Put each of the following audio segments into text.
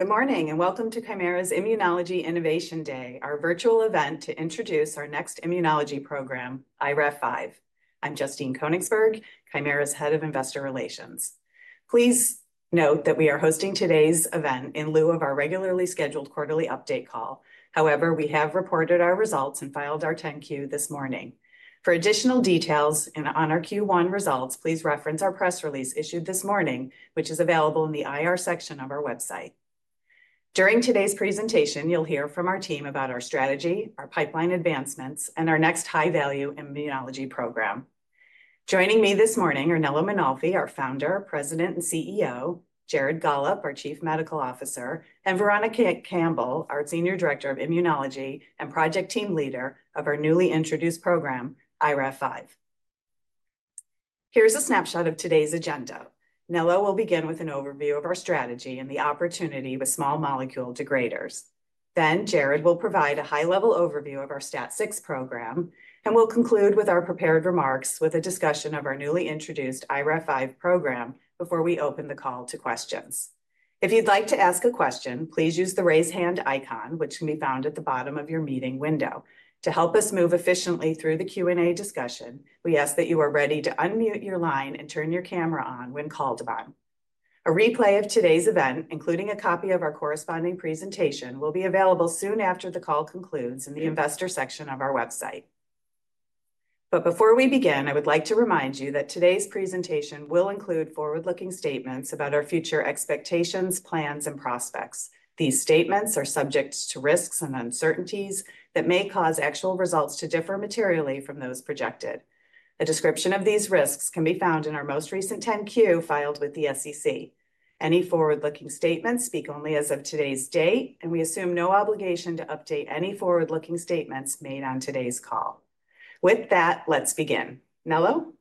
Good morning and welcome to Kymera's Immunology Innovation Day, our virtual event to introduce our next immunology program, IRF5. I'm Justine Koenigsberg, Kymera's Head of Investor Relations. Please note that we are hosting today's event in lieu of our regularly scheduled quarterly update call. However, we have reported our results and filed our 10-Q this morning. For additional details and on our Q1 results, please reference our press release issued this morning, which is available in the IR section of our website. During today's presentation, you'll hear from our team about our strategy, our pipeline advancements, and our next high-value immunology program. Joining me this morning are Nello Mainolfi, our Founder, President, and CEO; Jared Gollob, our Chief Medical Officer; and Veronica Campbell, our Senior Director of Immunology and Project Team Leader of our newly introduced program, IRF5. Here's a snapshot of today's agenda. Nello will begin with an overview of our strategy and the opportunity with small molecule degraders. Then Jared will provide a high-level overview of our STAT6 program and will conclude our prepared remarks with a discussion of our newly introduced IRF5 program before we open the call to questions. If you'd like to ask a question, please use the raise hand icon, which can be found at the bottom of your meeting window. To help us move efficiently through the Q&A discussion, we ask that you are ready to unmute your line and turn your camera on when called upon. A replay of today's event, including a copy of our corresponding presentation, will be available soon after the call concludes in the Investor section of our website. Before we begin, I would like to remind you that today's presentation will include forward-looking statements about our future expectations, plans, and prospects. These statements are subject to risks and uncertainties that may cause actual results to differ materially from those projected. A description of these risks can be found in our most recent 10-Q filed with the SEC. Any forward-looking statements speak only as of today's date, and we assume no obligation to update any forward-looking statements made on today's call. With that, let's begin. Nello?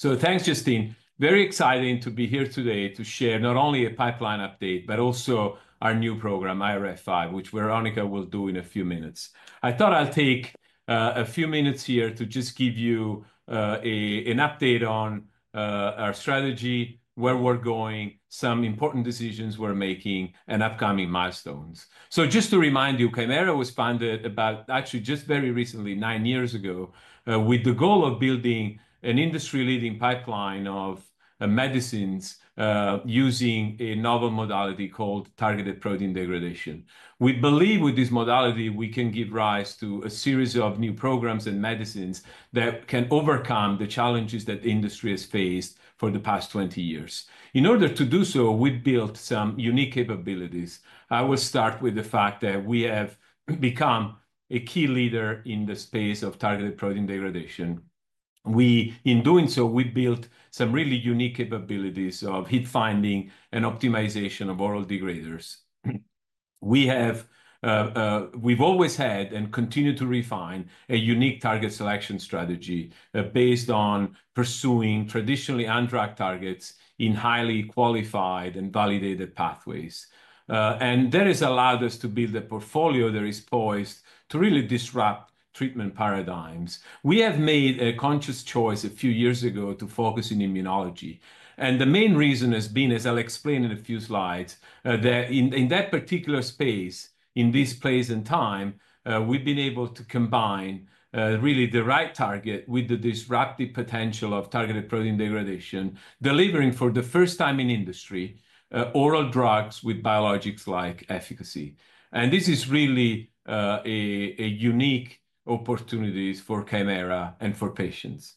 Thanks, Justine. Very exciting to be here today to share not only a pipeline update, but also our new program, IRF5, which Veronica will do in a few minutes. I thought I'll take a few minutes here to just give you an update on our strategy, where we're going, some important decisions we're making, and upcoming milestones. Just to remind you, Kymera was founded about actually just very recently, nine years ago, with the goal of building an industry-leading pipeline of medicines using a novel modality called targeted protein degradation. We believe with this modality, we can give rise to a series of new programs and medicines that can overcome the challenges that the industry has faced for the past 20 years. In order to do so, we built some unique capabilities. I will start with the fact that we have become a key leader in the space of targeted protein degradation. In doing so, we built some really unique capabilities of hit finding and optimization of oral degraders. We've always had and continue to refine a unique target selection strategy based on pursuing traditionally untracked targets in highly qualified and validated pathways. That has allowed us to build a portfolio that is poised to really disrupt treatment paradigms. We have made a conscious choice a few years ago to focus on immunology. The main reason has been, as I'll explain in a few slides, that in that particular space, in this place and time, we've been able to combine really the right target with the disruptive potential of targeted protein degradation, delivering for the first time in industry oral drugs with biologics-like efficacy. This is really a unique opportunity for Kymera and for patients.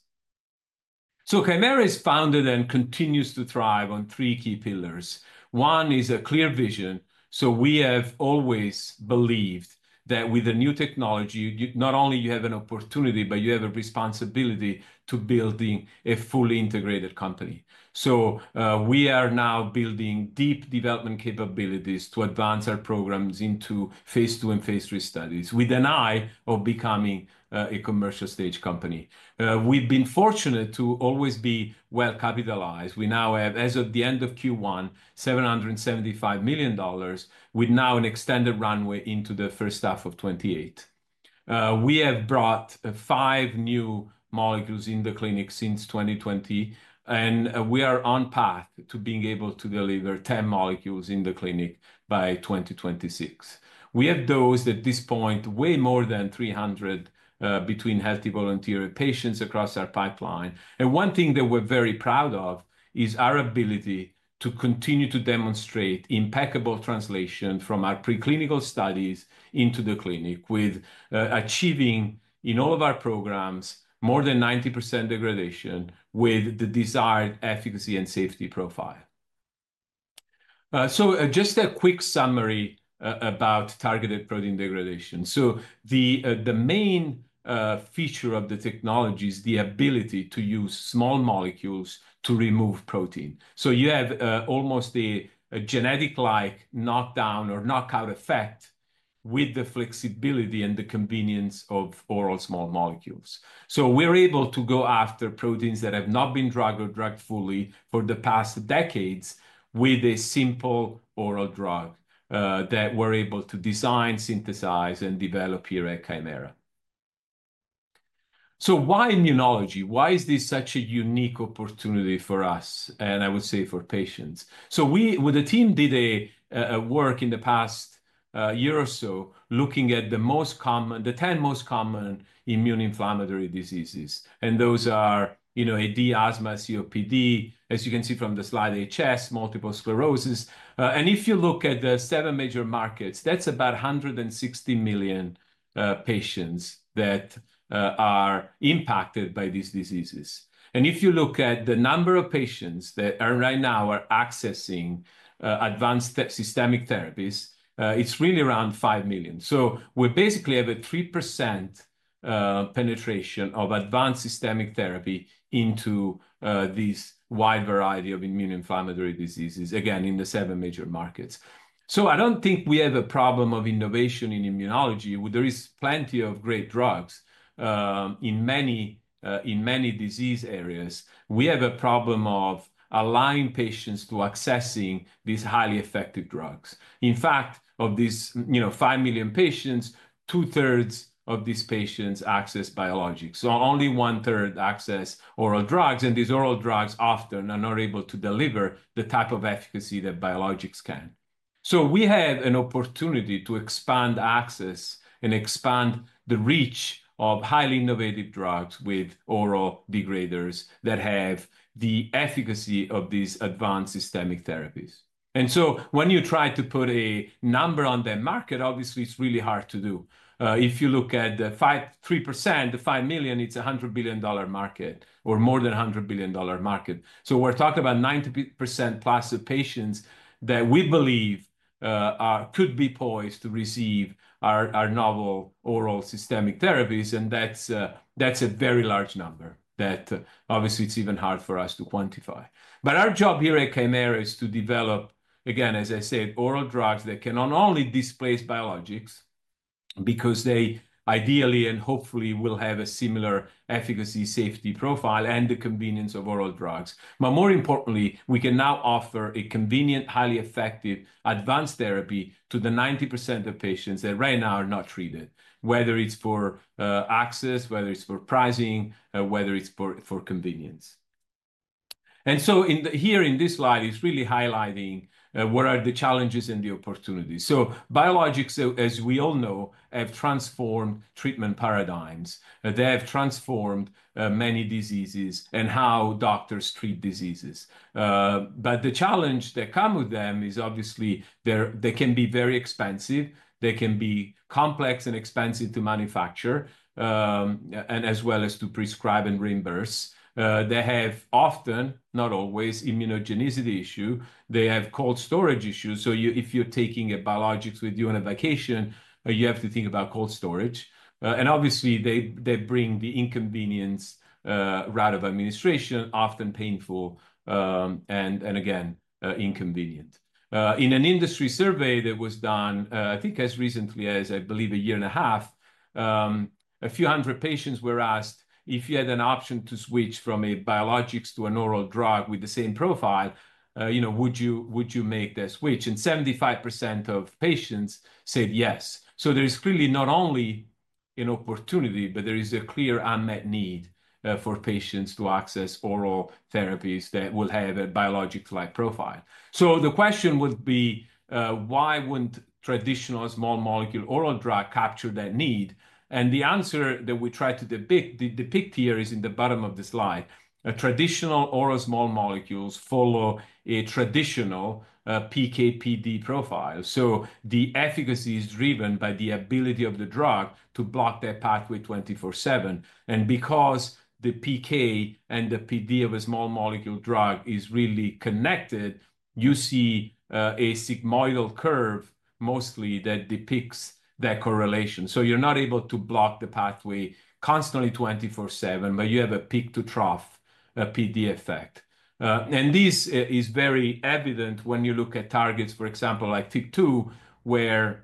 Kymera is founded and continues to thrive on three key pillars. One is a clear vision. We have always believed that with a new technology, not only do you have an opportunity, but you have a responsibility to build a fully integrated company. We are now building deep development capabilities to advance our programs into phase II and phase III studies with an eye of becoming a commercial stage company. We've been fortunate to always be well capitalized. We now have, as of the end of Q1, $775 million, with now an extended runway into the first half of 2028. We have brought five new molecules in the clinic since 2020, and we are on path to being able to deliver 10 molecules in the clinic by 2026. We have dosed at this point way more than 300 between healthy volunteer patients across our pipeline. One thing that we're very proud of is our ability to continue to demonstrate impeccable translation from our preclinical studies into the clinic with achieving in all of our programs more than 90% degradation with the desired efficacy and safety profile. Just a quick summary about targeted protein degradation. The main feature of the technology is the ability to use small molecules to remove protein. You have almost a genetic-like knockdown or knockout effect with the flexibility and the convenience of oral small molecules. We're able to go after proteins that have not been drugged or drugged fully for the past decades with a simple oral drug that we're able to design, synthesize, and develop here at Kymera. Why immunology? Why is this such a unique opportunity for us, and I would say for patients? We, with the team, did a work in the past year or so looking at the most common, the 10 most common immune inflammatory diseases. Those are AD, asthma, COPD, as you can see from the slide, HS, multiple sclerosis. If you look at the seven major markets, that's about 160 million patients that are impacted by these diseases. If you look at the number of patients that are right now accessing advanced systemic therapies, it's really around 5 million. We basically have a 3% penetration of advanced systemic therapy into this wide variety of immune inflammatory diseases, again, in the seven major markets. I don't think we have a problem of innovation in immunology. There is plenty of great drugs in many disease areas. We have a problem of allowing patients to access these highly effective drugs. In fact, of these 5 million patients, 2/3 of these patients access biologics. Only 1/3 access oral drugs. These oral drugs often are not able to deliver the type of efficacy that biologics can. We have an opportunity to expand access and expand the reach of highly innovative drugs with oral degraders that have the efficacy of these advanced systemic therapies. When you try to put a number on the market, obviously, it's really hard to do. If you look at the 3%, the 5 million, it's a $100 billion market or more than $100 billion market. We're talking about 90% plus of patients that we believe could be poised to receive our novel oral systemic therapies. That is a very large number that obviously it is even hard for us to quantify. Our job here at Kymera is to develop, again, as I said, oral drugs that can not only displace biologics because they ideally and hopefully will have a similar efficacy, safety profile, and the convenience of oral drugs. More importantly, we can now offer a convenient, highly effective advanced therapy to the 90% of patients that right now are not treated, whether it is for access, whether it is for pricing, whether it is for convenience. Here in this slide, it is really highlighting what are the challenges and the opportunities. Biologics, as we all know, have transformed treatment paradigms. They have transformed many diseases and how doctors treat diseases. The challenge that comes with them is obviously they can be very expensive. They can be complex and expensive to manufacture and as well as to prescribe and reimburse. They have often, not always, immunogenicity issues. They have cold storage issues. If you're taking biologics with you on a vacation, you have to think about cold storage. Obviously, they bring the inconvenience rather of administration, often painful and, again, inconvenient. In an industry survey that was done, I think as recently as I believe a year and a half, a few hundred patients were asked if you had an option to switch from a biologics to an oral drug with the same profile, would you make that switch? 75% of patients said yes. There is clearly not only an opportunity, but there is a clear unmet need for patients to access oral therapies that will have a biologic-like profile. The question would be, why would not traditional small molecule oral drug capture that need? The answer that we try to depict here is in the bottom of the slide. Traditional oral small molecules follow a traditional PK/PD profile. The efficacy is driven by the ability of the drug to block their pathway 24/7. Because the PK and the PD of a small molecule drug is really connected, you see a sigmoidal curve mostly that depicts that correlation. You are not able to block the pathway constantly 24/7, but you have a peak-to-trough PD effect. This is very evident when you look at targets, for example, like TYK2, where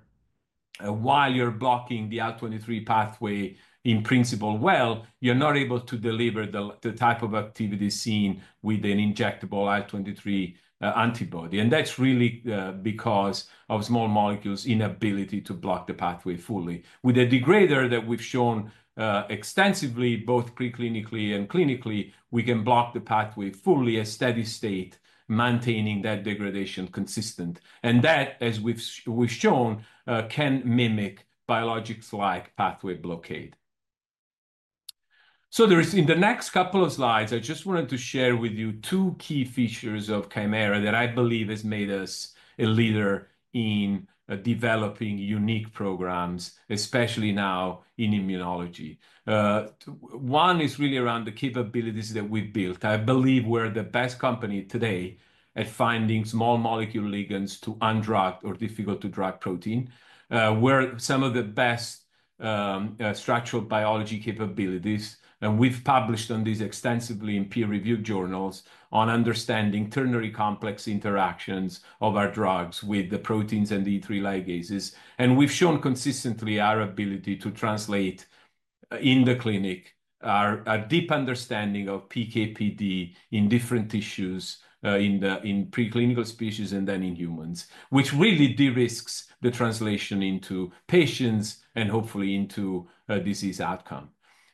while you are blocking the IL-23 pathway in principle well, you are not able to deliver the type of activity seen with an injectable IL-23 antibody. That is really because of small molecules' inability to block the pathway fully. With a degrader that we've shown extensively, both preclinically and clinically, we can block the pathway fully at steady state, maintaining that degradation consistent. That, as we've shown, can mimic biologics-like pathway blockade. In the next couple of slides, I just wanted to share with you two key features of Kymera that I believe have made us a leader in developing unique programs, especially now in immunology. One is really around the capabilities that we've built. I believe we're the best company today at finding small molecule ligands to undrug or difficult-to-drug protein. We have some of the best structural biology capabilities. We've published on this extensively in peer-reviewed journals on understanding ternary complex interactions of our drugs with the proteins and the E3 ligases. We have shown consistently our ability to translate in the clinic our deep understanding of PK/PD in different tissues in preclinical species and then in humans, which really de-risked the translation into patients and hopefully into disease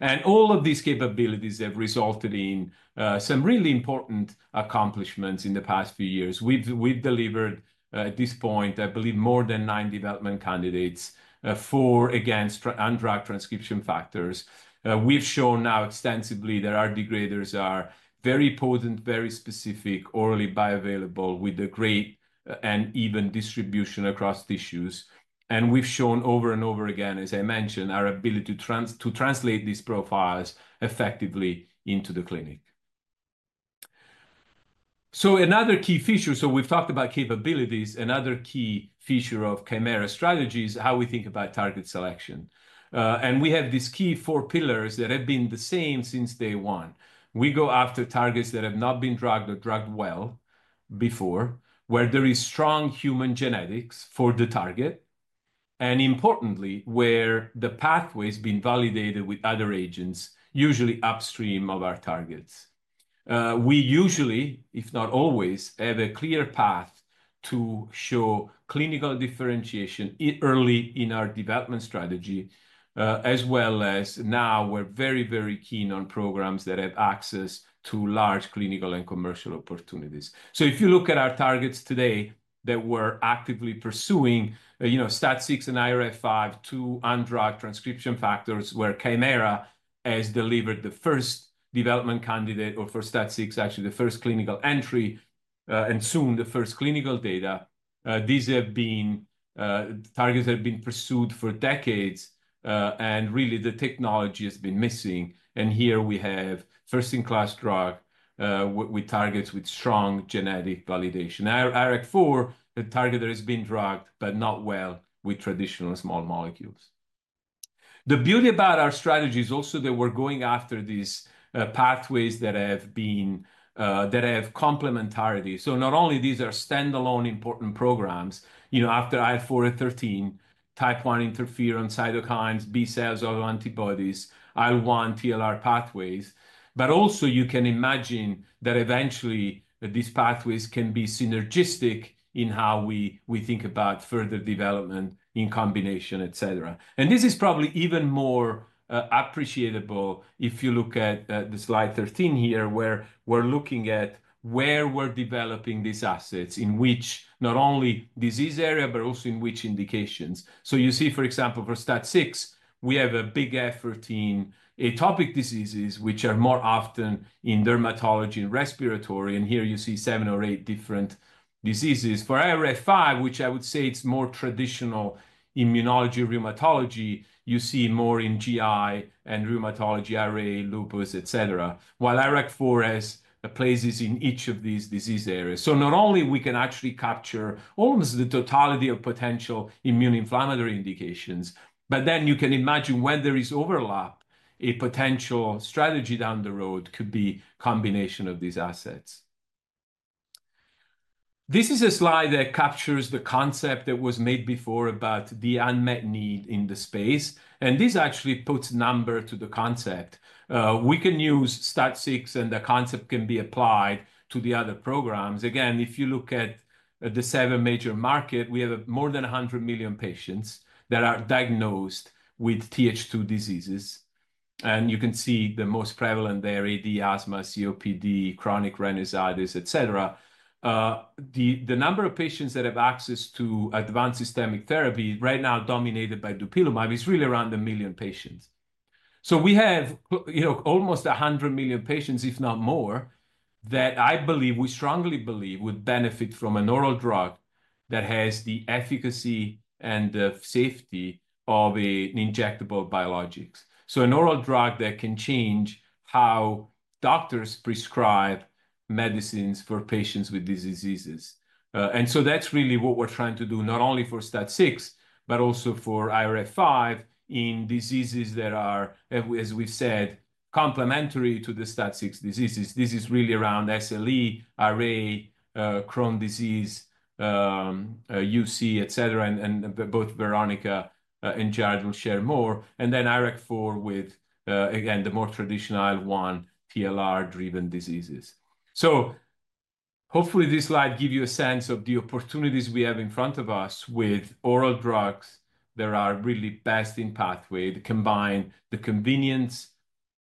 outcome. All of these capabilities have resulted in some really important accomplishments in the past few years. We have delivered at this point, I believe, more than nine development candidates for against undrug transcription factors. We have shown now extensively that our degraders are very potent, very specific, orally bioavailable with a great and even distribution across tissues. We have shown over and over again, as I mentioned, our ability to translate these profiles effectively into the clinic. Another key feature, we have talked about capabilities, another key feature of Kymera strategy is how we think about target selection. We have these key four pillars that have been the same since day one. We go after targets that have not been drugged or drugged well before, where there is strong human genetics for the target, and importantly, where the pathway has been validated with other agents, usually upstream of our targets. We usually, if not always, have a clear path to show clinical differentiation early in our development strategy, as well as now we're very, very keen on programs that have access to large clinical and commercial opportunities. If you look at our targets today that we're actively pursuing, STAT6 and IRF5 to undrug transcription factors, where Kymera has delivered the first development candidate or for STAT6, actually the first clinical entry, and soon the first clinical data, these have been targets that have been pursued for decades. Really, the technology has been missing. Here we have first-in-class drug with targets with strong genetic validation. IRF4, the target that has been drugged, but not well with traditional small molecules. The beauty about our strategy is also that we're going after these pathways that have complementarity. Not only these are standalone important programs, you know, after IL-4/13, type I interferon cytokines, B cells, autoantibodies, IL-1 TLR pathways, but also you can imagine that eventually these pathways can be synergistic in how we think about further development in combination, et cetera. This is probably even more appreciable if you look at the slide 13 here, where we're looking at where we're developing these assets in which not only disease area, but also in which indications. You see, for example, for STAT6, we have a big effort in atopic diseases, which are more often in dermatology and respiratory. Here you see seven or eight different diseases. For IRF5, which I would say it's more traditional immunology rheumatology, you see more in GI and rheumatology, RA, lupus, et cetera, while IRF4 has places in each of these disease areas. Not only can we actually capture almost the totality of potential immune inflammatory indications, but then you can imagine when there is overlap, a potential strategy down the road could be a combination of these assets. This is a slide that captures the concept that was made before about the unmet need in the space. This actually puts a number to the concept. We can use STAT6, and the concept can be applied to the other programs. Again, if you look at the seven major market, we have more than 100 million patients that are diagnosed with Th2 diseases. You can see the most prevalent there, AD, asthma, COPD, chronic rhinosinusitis, et cetera. The number of patients that have access to advanced systemic therapy right now, dominated by dupilumab, is really around a million patients. We have almost 100 million patients, if not more, that I believe, we strongly believe, would benefit from an oral drug that has the efficacy and the safety of an injectable biologic. An oral drug that can change how doctors prescribe medicines for patients with these diseases. That is really what we are trying to do, not only for STAT6, but also for IRF5 in diseases that are, as we have said, complementary to the STAT6 diseases. This is really around SLE, RA, Crohn's disease, UC, et cetera. Both Veronica and Jared will share more. Then IRF4 with, again, the more traditional IL-1 TLR-driven diseases. Hopefully this slide gives you a sense of the opportunities we have in front of us with oral drugs that are really best in pathway, the combined convenience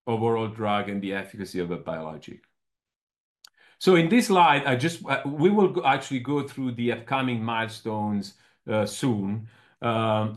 of oral drug and the efficacy of a biologic. In this slide, we will actually go through the upcoming milestones soon. I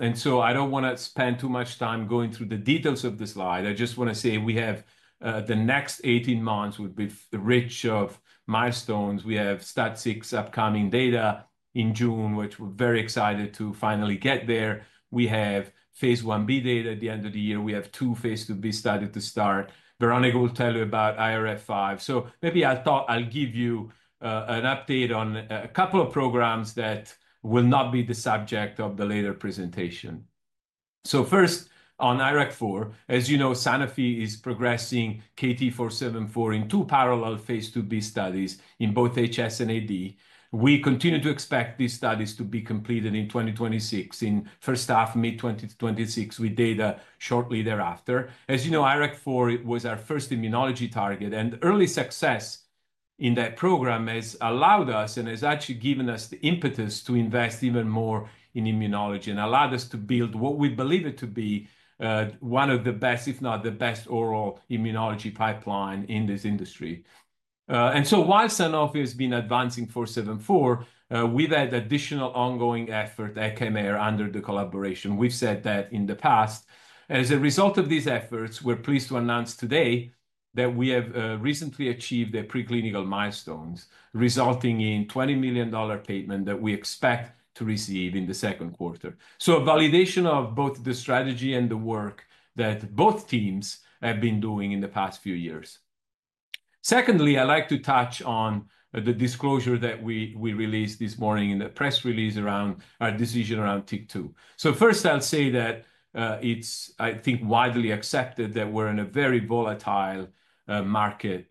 do not want to spend too much time going through the details of the slide. I just want to say we have the next 18 months will be rich of milestones. We have STAT6 upcoming data in June, which we are very excited to finally get there. We have phase I-B data at the end of the year. We have two phase II-B studies to start. Veronica will tell you about IRF5. Maybe I will give you an update on a couple of programs that will not be the subject of the later presentation. First, on IRF4, as you know, Sanofi is progressing KT-474 in two parallel phase II-B studies in both HS and AD. We continue to expect these studies to be completed in 2026, in first half, mid-2026, with data shortly thereafter. As you know, IRF4 was our first immunology target. Early success in that program has allowed us and has actually given us the impetus to invest even more in immunology and allowed us to build what we believe it to be one of the best, if not the best, oral immunology pipeline in this industry. While Sanofi has been advancing 474, we have had additional ongoing effort at Kymera under the collaboration. We have said that in the past. As a result of these efforts, we're pleased to announce today that we have recently achieved the preclinical milestones, resulting in a $20 million payment that we expect to receive in the second quarter. A validation of both the strategy and the work that both teams have been doing in the past few years. Secondly, I'd like to touch on the disclosure that we released this morning in the press release around our decision around TYK2. First, I'll say that it's, I think, widely accepted that we're in a very volatile market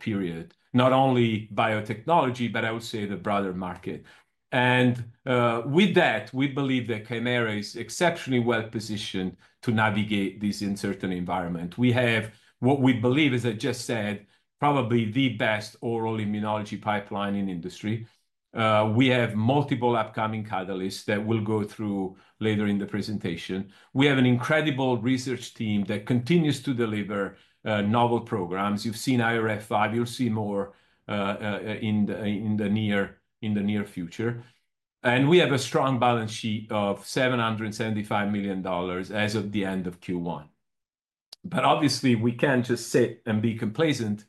period, not only biotechnology, but I would say the broader market. With that, we believe that Kymera is exceptionally well positioned to navigate these uncertain environments. We have what we believe, as I just said, probably the best oral immunology pipeline in the industry. We have multiple upcoming catalysts that we'll go through later in the presentation. We have an incredible research team that continues to deliver novel programs. You've seen IRF5. You'll see more in the near future. We have a strong balance sheet of $775 million as of the end of Q1. Obviously, we can't just sit and be complacent.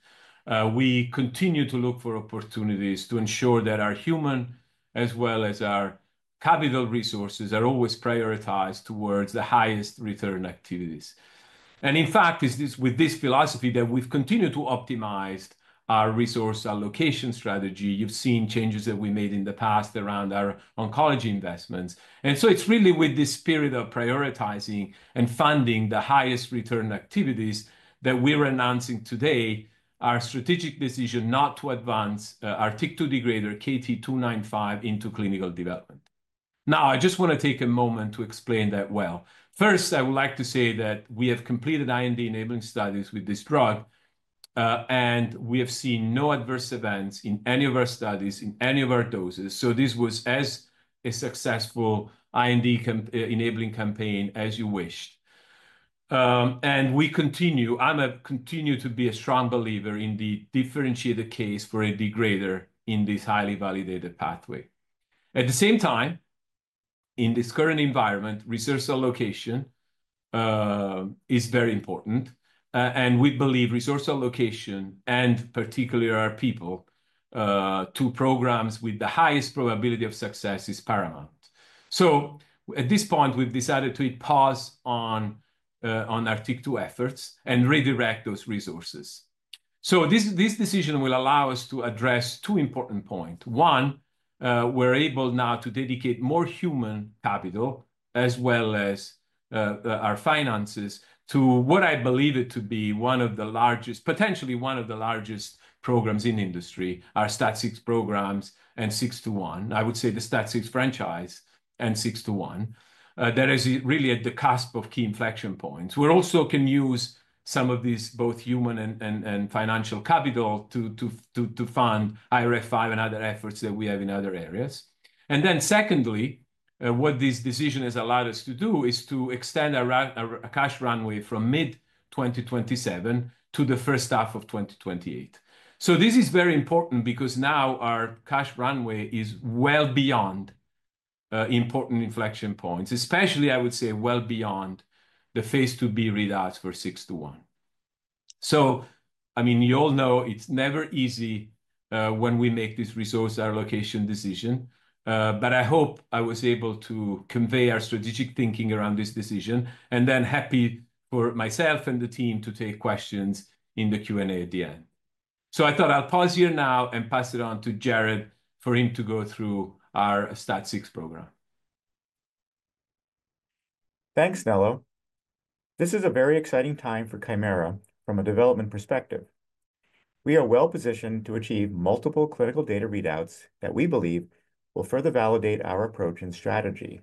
We continue to look for opportunities to ensure that our human, as well as our capital resources, are always prioritized towards the highest return activities. In fact, it's with this philosophy that we've continued to optimize our resource allocation strategy. You've seen changes that we made in the past around our oncology investments. It's really with this spirit of prioritizing and funding the highest return activities that we're announcing today our strategic decision not to advance our TYK2 degrader, KT-295, into clinical development. Now, I just want to take a moment to explain that. First, I would like to say that we have completed IND enabling studies with this drug. We have seen no adverse events in any of our studies, in any of our doses. This was as successful an IND enabling campaign as you wished. I continue to be a strong believer in the differentiated case for a degrader in this highly validated pathway. At the same time, in this current environment, resource allocation is very important. We believe resource allocation, and particularly our people, to programs with the highest probability of success is paramount. At this point, we've decided to pause on our TYK2 efforts and redirect those resources. This decision will allow us to address two important points. One, we're able now to dedicate more human capital, as well as our finances, to what I believe it to be one of the largest, potentially one of the largest programs in the industry, our STAT6 programs and KT-621. I would say the STAT6 franchise and KT-621 that is really at the cusp of key inflection points. We also can use some of these both human and financial capital to fund IRF5 and other efforts that we have in other areas. Secondly, what this decision has allowed us to do is to extend our cash runway from mid-2027 to the first half of 2028. This is very important because now our cash runway is well beyond important inflection points, especially, I would say, well beyond the phase II-B readouts for KT-621. I mean, you all know it's never easy when we make this resource allocation decision. I hope I was able to convey our strategic thinking around this decision. Happy for myself and the team to take questions in the Q&A at the end. I thought I'll pause here now and pass it on to Jared for him to go through our STAT6 program. Thanks, Nello. This is a very exciting time for Kymera from a development perspective. We are well positioned to achieve multiple clinical data readouts that we believe will further validate our approach and strategy.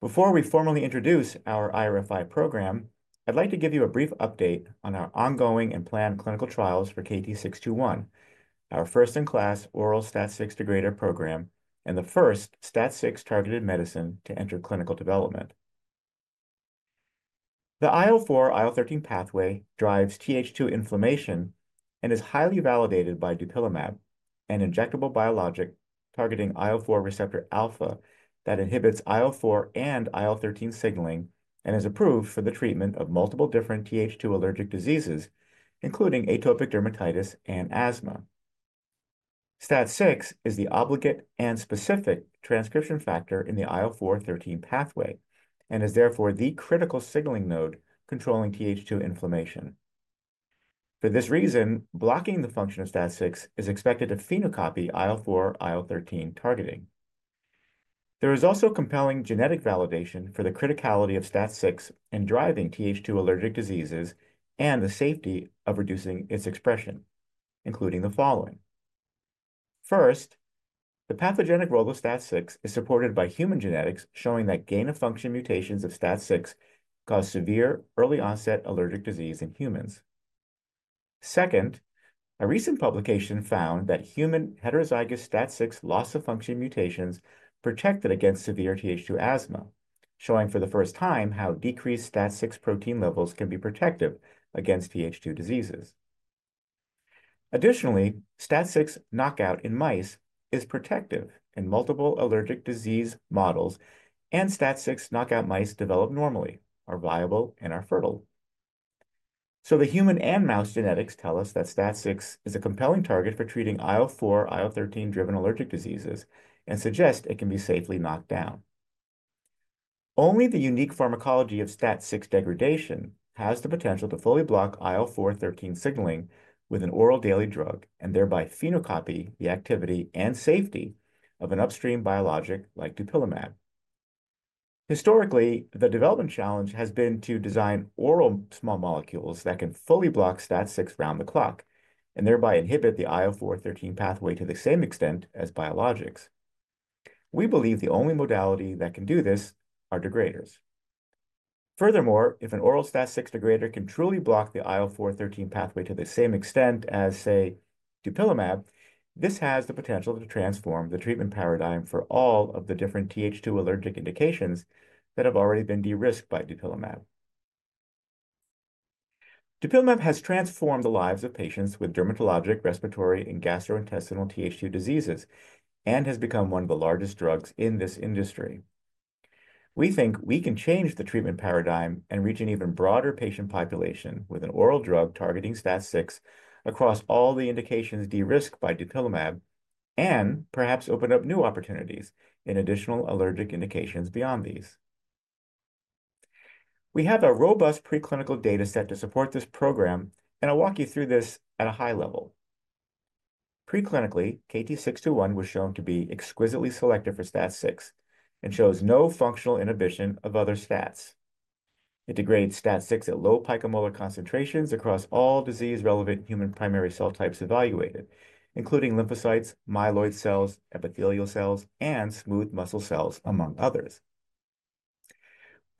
Before we formally introduce our IRF5 program, I'd like to give you a brief update on our ongoing and planned clinical trials for KT-621, our first-in-class oral STAT6 degrader program, and the first STAT6 targeted medicine to enter clinical development. The IL-4, IL-13 pathway drives Th2 inflammation and is highly validated by dupilumab, an injectable biologic targeting IL-4 receptor alpha that inhibits IL-4 and IL-13 signaling and is approved for the treatment of multiple different Th2 allergic diseases, including atopic dermatitis and asthma. STAT6 is the obligate and specific transcription factor in the IL-4, IL-13 pathway and is therefore the critical signaling node controlling Th2 inflammation. For this reason, blocking the function of STAT6 is expected to phenocopy IL-4, IL-13 targeting. There is also compelling genetic validation for the criticality of STAT6 in driving Th2 allergic diseases and the safety of reducing its expression, including the following. First, the pathogenic role of STAT6 is supported by human genetics, showing that gain-of-function mutations of STAT6 cause severe early-onset allergic disease in humans. Second, a recent publication found that human heterozygous STAT6 loss-of-function mutations protected against severe Th2 asthma, showing for the first time how decreased STAT6 protein levels can be protective against Th2 diseases. Additionally, STAT6 knockout in mice is protective in multiple allergic disease models, and STAT6 knockout mice develop normally, are viable, and are fertile. The human and mouse genetics tell us that STAT6 is a compelling target for treating IL-4, IL-13-driven allergic diseases and suggest it can be safely knocked down. Only the unique pharmacology of STAT6 degradation has the potential to fully block IL-4/13 signaling with an oral daily drug and thereby phenocopy the activity and safety of an upstream biologic like dupilumab. Historically, the development challenge has been to design oral small molecules that can fully block STAT6 around the clock and thereby inhibit the IL-4/13 pathway to the same extent as biologics. We believe the only modality that can do this are degraders. Furthermore, if an oral STAT6 degrader can truly block the IL-4/13 pathway to the same extent as, say, dupilumab, this has the potential to transform the treatment paradigm for all of the different Th2 allergic indications that have already been de-risked by dupilumab. Dupilumab has transformed the lives of patients with dermatologic, respiratory, and gastrointestinal Th2 diseases and has become one of the largest drugs in this industry. We think we can change the treatment paradigm and reach an even broader patient population with an oral drug targeting STAT6 across all the indications de-risked by dupilumab and perhaps open up new opportunities in additional allergic indications beyond these. We have a robust preclinical data set to support this program, and I'll walk you through this at a high level. Preclinically, KT-621 was shown to be exquisitely selective for STAT6 and shows no functional inhibition of other STATs. It degrades STAT6 at low picomolar concentrations across all disease-relevant human primary cell types evaluated, including lymphocytes, myeloid cells, epithelial cells, and smooth muscle cells, among others.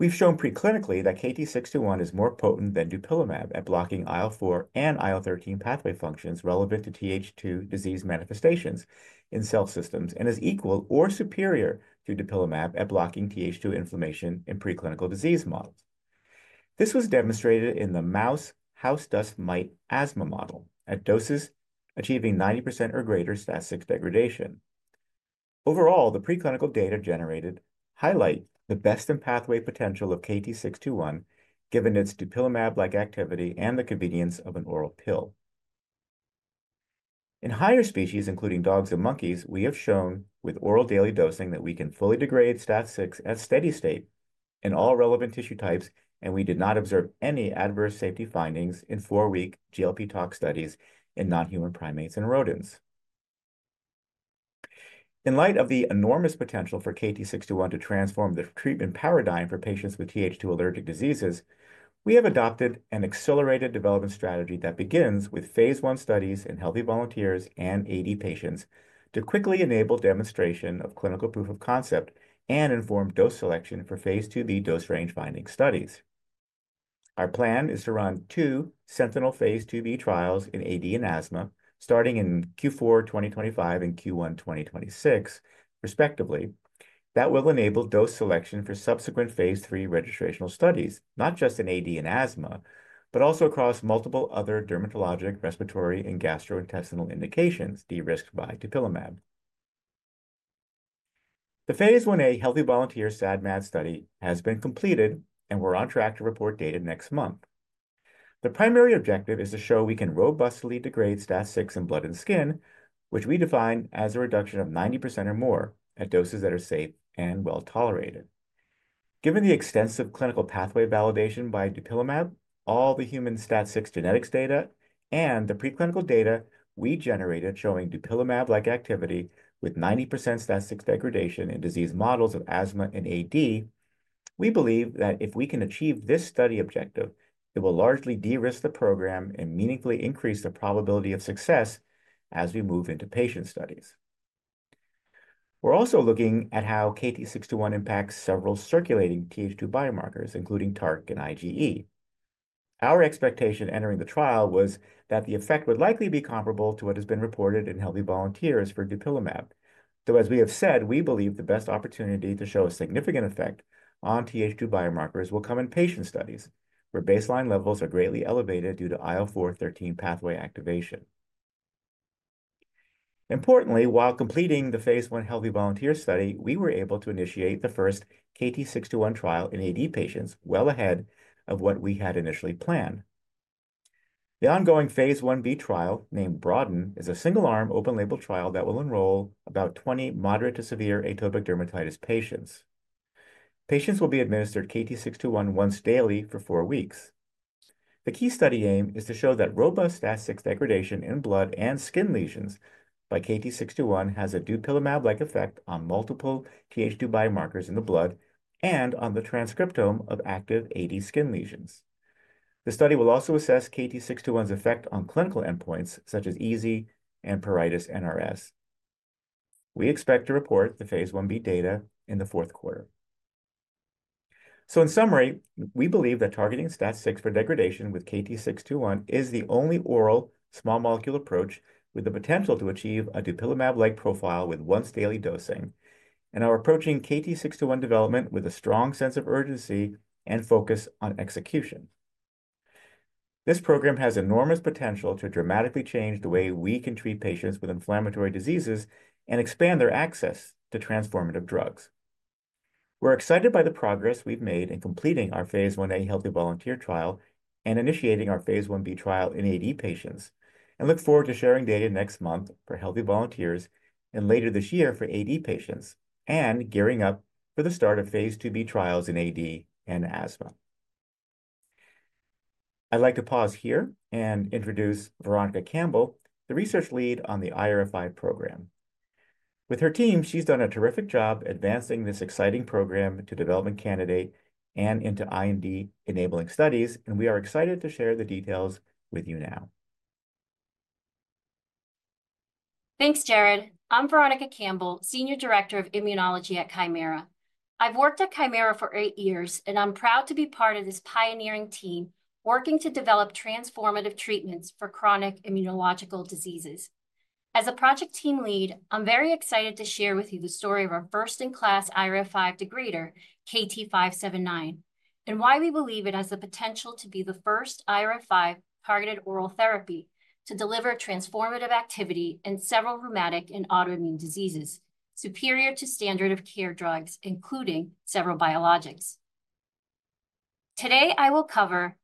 We've shown preclinically that KT-621 is more potent than dupilumab at blocking IL-4 and IL-13 pathway functions relevant to Th2 disease manifestations in cell systems and is equal or superior to dupilumab at blocking Th2 inflammation in preclinical disease models. This was demonstrated in the mouse house dust mite asthma model at doses achieving 90% or greater STAT6 degradation. Overall, the preclinical data generated highlight the best-in-pathway potential of KT-621, given its dupilumab-like activity and the convenience of an oral pill. In higher species, including dogs and monkeys, we have shown with oral daily dosing that we can fully degrade STAT6 at steady state in all relevant tissue types, and we did not observe any adverse safety findings in four-week GLP-tox studies in non-human primates and rodents. In light of the enormous potential for KT-621 to transform the treatment paradigm for patients with Th2 allergic diseases, we have adopted an accelerated development strategy that begins with phase I studies in healthy volunteers and AD patients to quickly enable demonstration of clinical proof of concept and informed dose selection for phase II-B dose range finding studies. Our plan is to run two sentinel phase II-B trials in AD and asthma, starting in Q4 2025 and Q1 2026, respectively, that will enable dose selection for subsequent phase III registrational studies, not just in AD and asthma, but also across multiple other dermatologic, respiratory, and gastrointestinal indications de-risked by dupilumab. The phase I-A healthy volunteer SAD-MAD study has been completed, and we're on track to report data next month. The primary objective is to show we can robustly degrade STAT6 in blood and skin, which we define as a reduction of 90% or more at doses that are safe and well tolerated. Given the extensive clinical pathway validation by dupilumab, all the human STAT6 genetics data, and the preclinical data we generated showing dupilumab-like activity with 90% STAT6 degradation in disease models of asthma and AD, we believe that if we can achieve this study objective, it will largely de-risk the program and meaningfully increase the probability of success as we move into patient studies. We're also looking at how KT-621 impacts several circulating Th2 biomarkers, including TARC and IgE. Our expectation entering the trial was that the effect would likely be comparable to what has been reported in healthy volunteers for dupilumab. Though, as we have said, we believe the best opportunity to show a significant effect on Th2 biomarkers will come in patient studies where baseline levels are greatly elevated due to IL-4/13 pathway activation. Importantly, while completing the phase 1 healthy volunteer study, we were able to initiate the first KT-621 trial in AD patients well ahead of what we had initially planned. The ongoing phase I-B trial, named BroADen, is a single-arm open-label trial that will enroll about 20 moderate to severe atopic dermatitis patients. Patients will be administered KT-621 once daily for four weeks. The key study aim is to show that robust STAT6 degradation in blood and skin lesions by KT-621 has a dupilumab-like effect on multiple Th2 biomarkers in the blood and on the transcriptome of active AD skin lesions. The study will also assess KT-621's effect on clinical endpoints such as EASI and pruritus NRS. We expect to report the phase I-B data in the fourth quarter. In summary, we believe that targeting STAT6 for degradation with KT-621 is the only oral small molecule approach with the potential to achieve a dupilumab-like profile with once-daily dosing, and are approaching KT-621 development with a strong sense of urgency and focus on execution. This program has enormous potential to dramatically change the way we can treat patients with inflammatory diseases and expand their access to transformative drugs. We're excited by the progress we've made in completing our phase I-A healthy volunteer trial and initiating our phase I-B trial in AD patients, and look forward to sharing data next month for healthy volunteers and later this year for AD patients and gearing up for the start of phase II-B trials in AD and asthma. I'd like to pause here and introduce Veronica Campbell, the research lead on the IRF5 program. With her team, she's done a terrific job advancing this exciting program to development candidate and into IND-enabling studies, and we are excited to share the details with you now. Thanks, Jared. I'm Veronica Campbell, Senior Director of Immunology at Kymera. I've worked at Kymera for eight years, and I'm proud to be part of this pioneering team working to develop transformative treatments for chronic immunological diseases. As a project team lead, I'm very excited to share with you the story of our first-in-class IRF5 degrader, KT-579, and why we believe it has the potential to be the first IRF5 targeted oral therapy to deliver transformative activity in several rheumatic and autoimmune diseases superior to standard-of-care drugs, including several biologics. Today, I will cover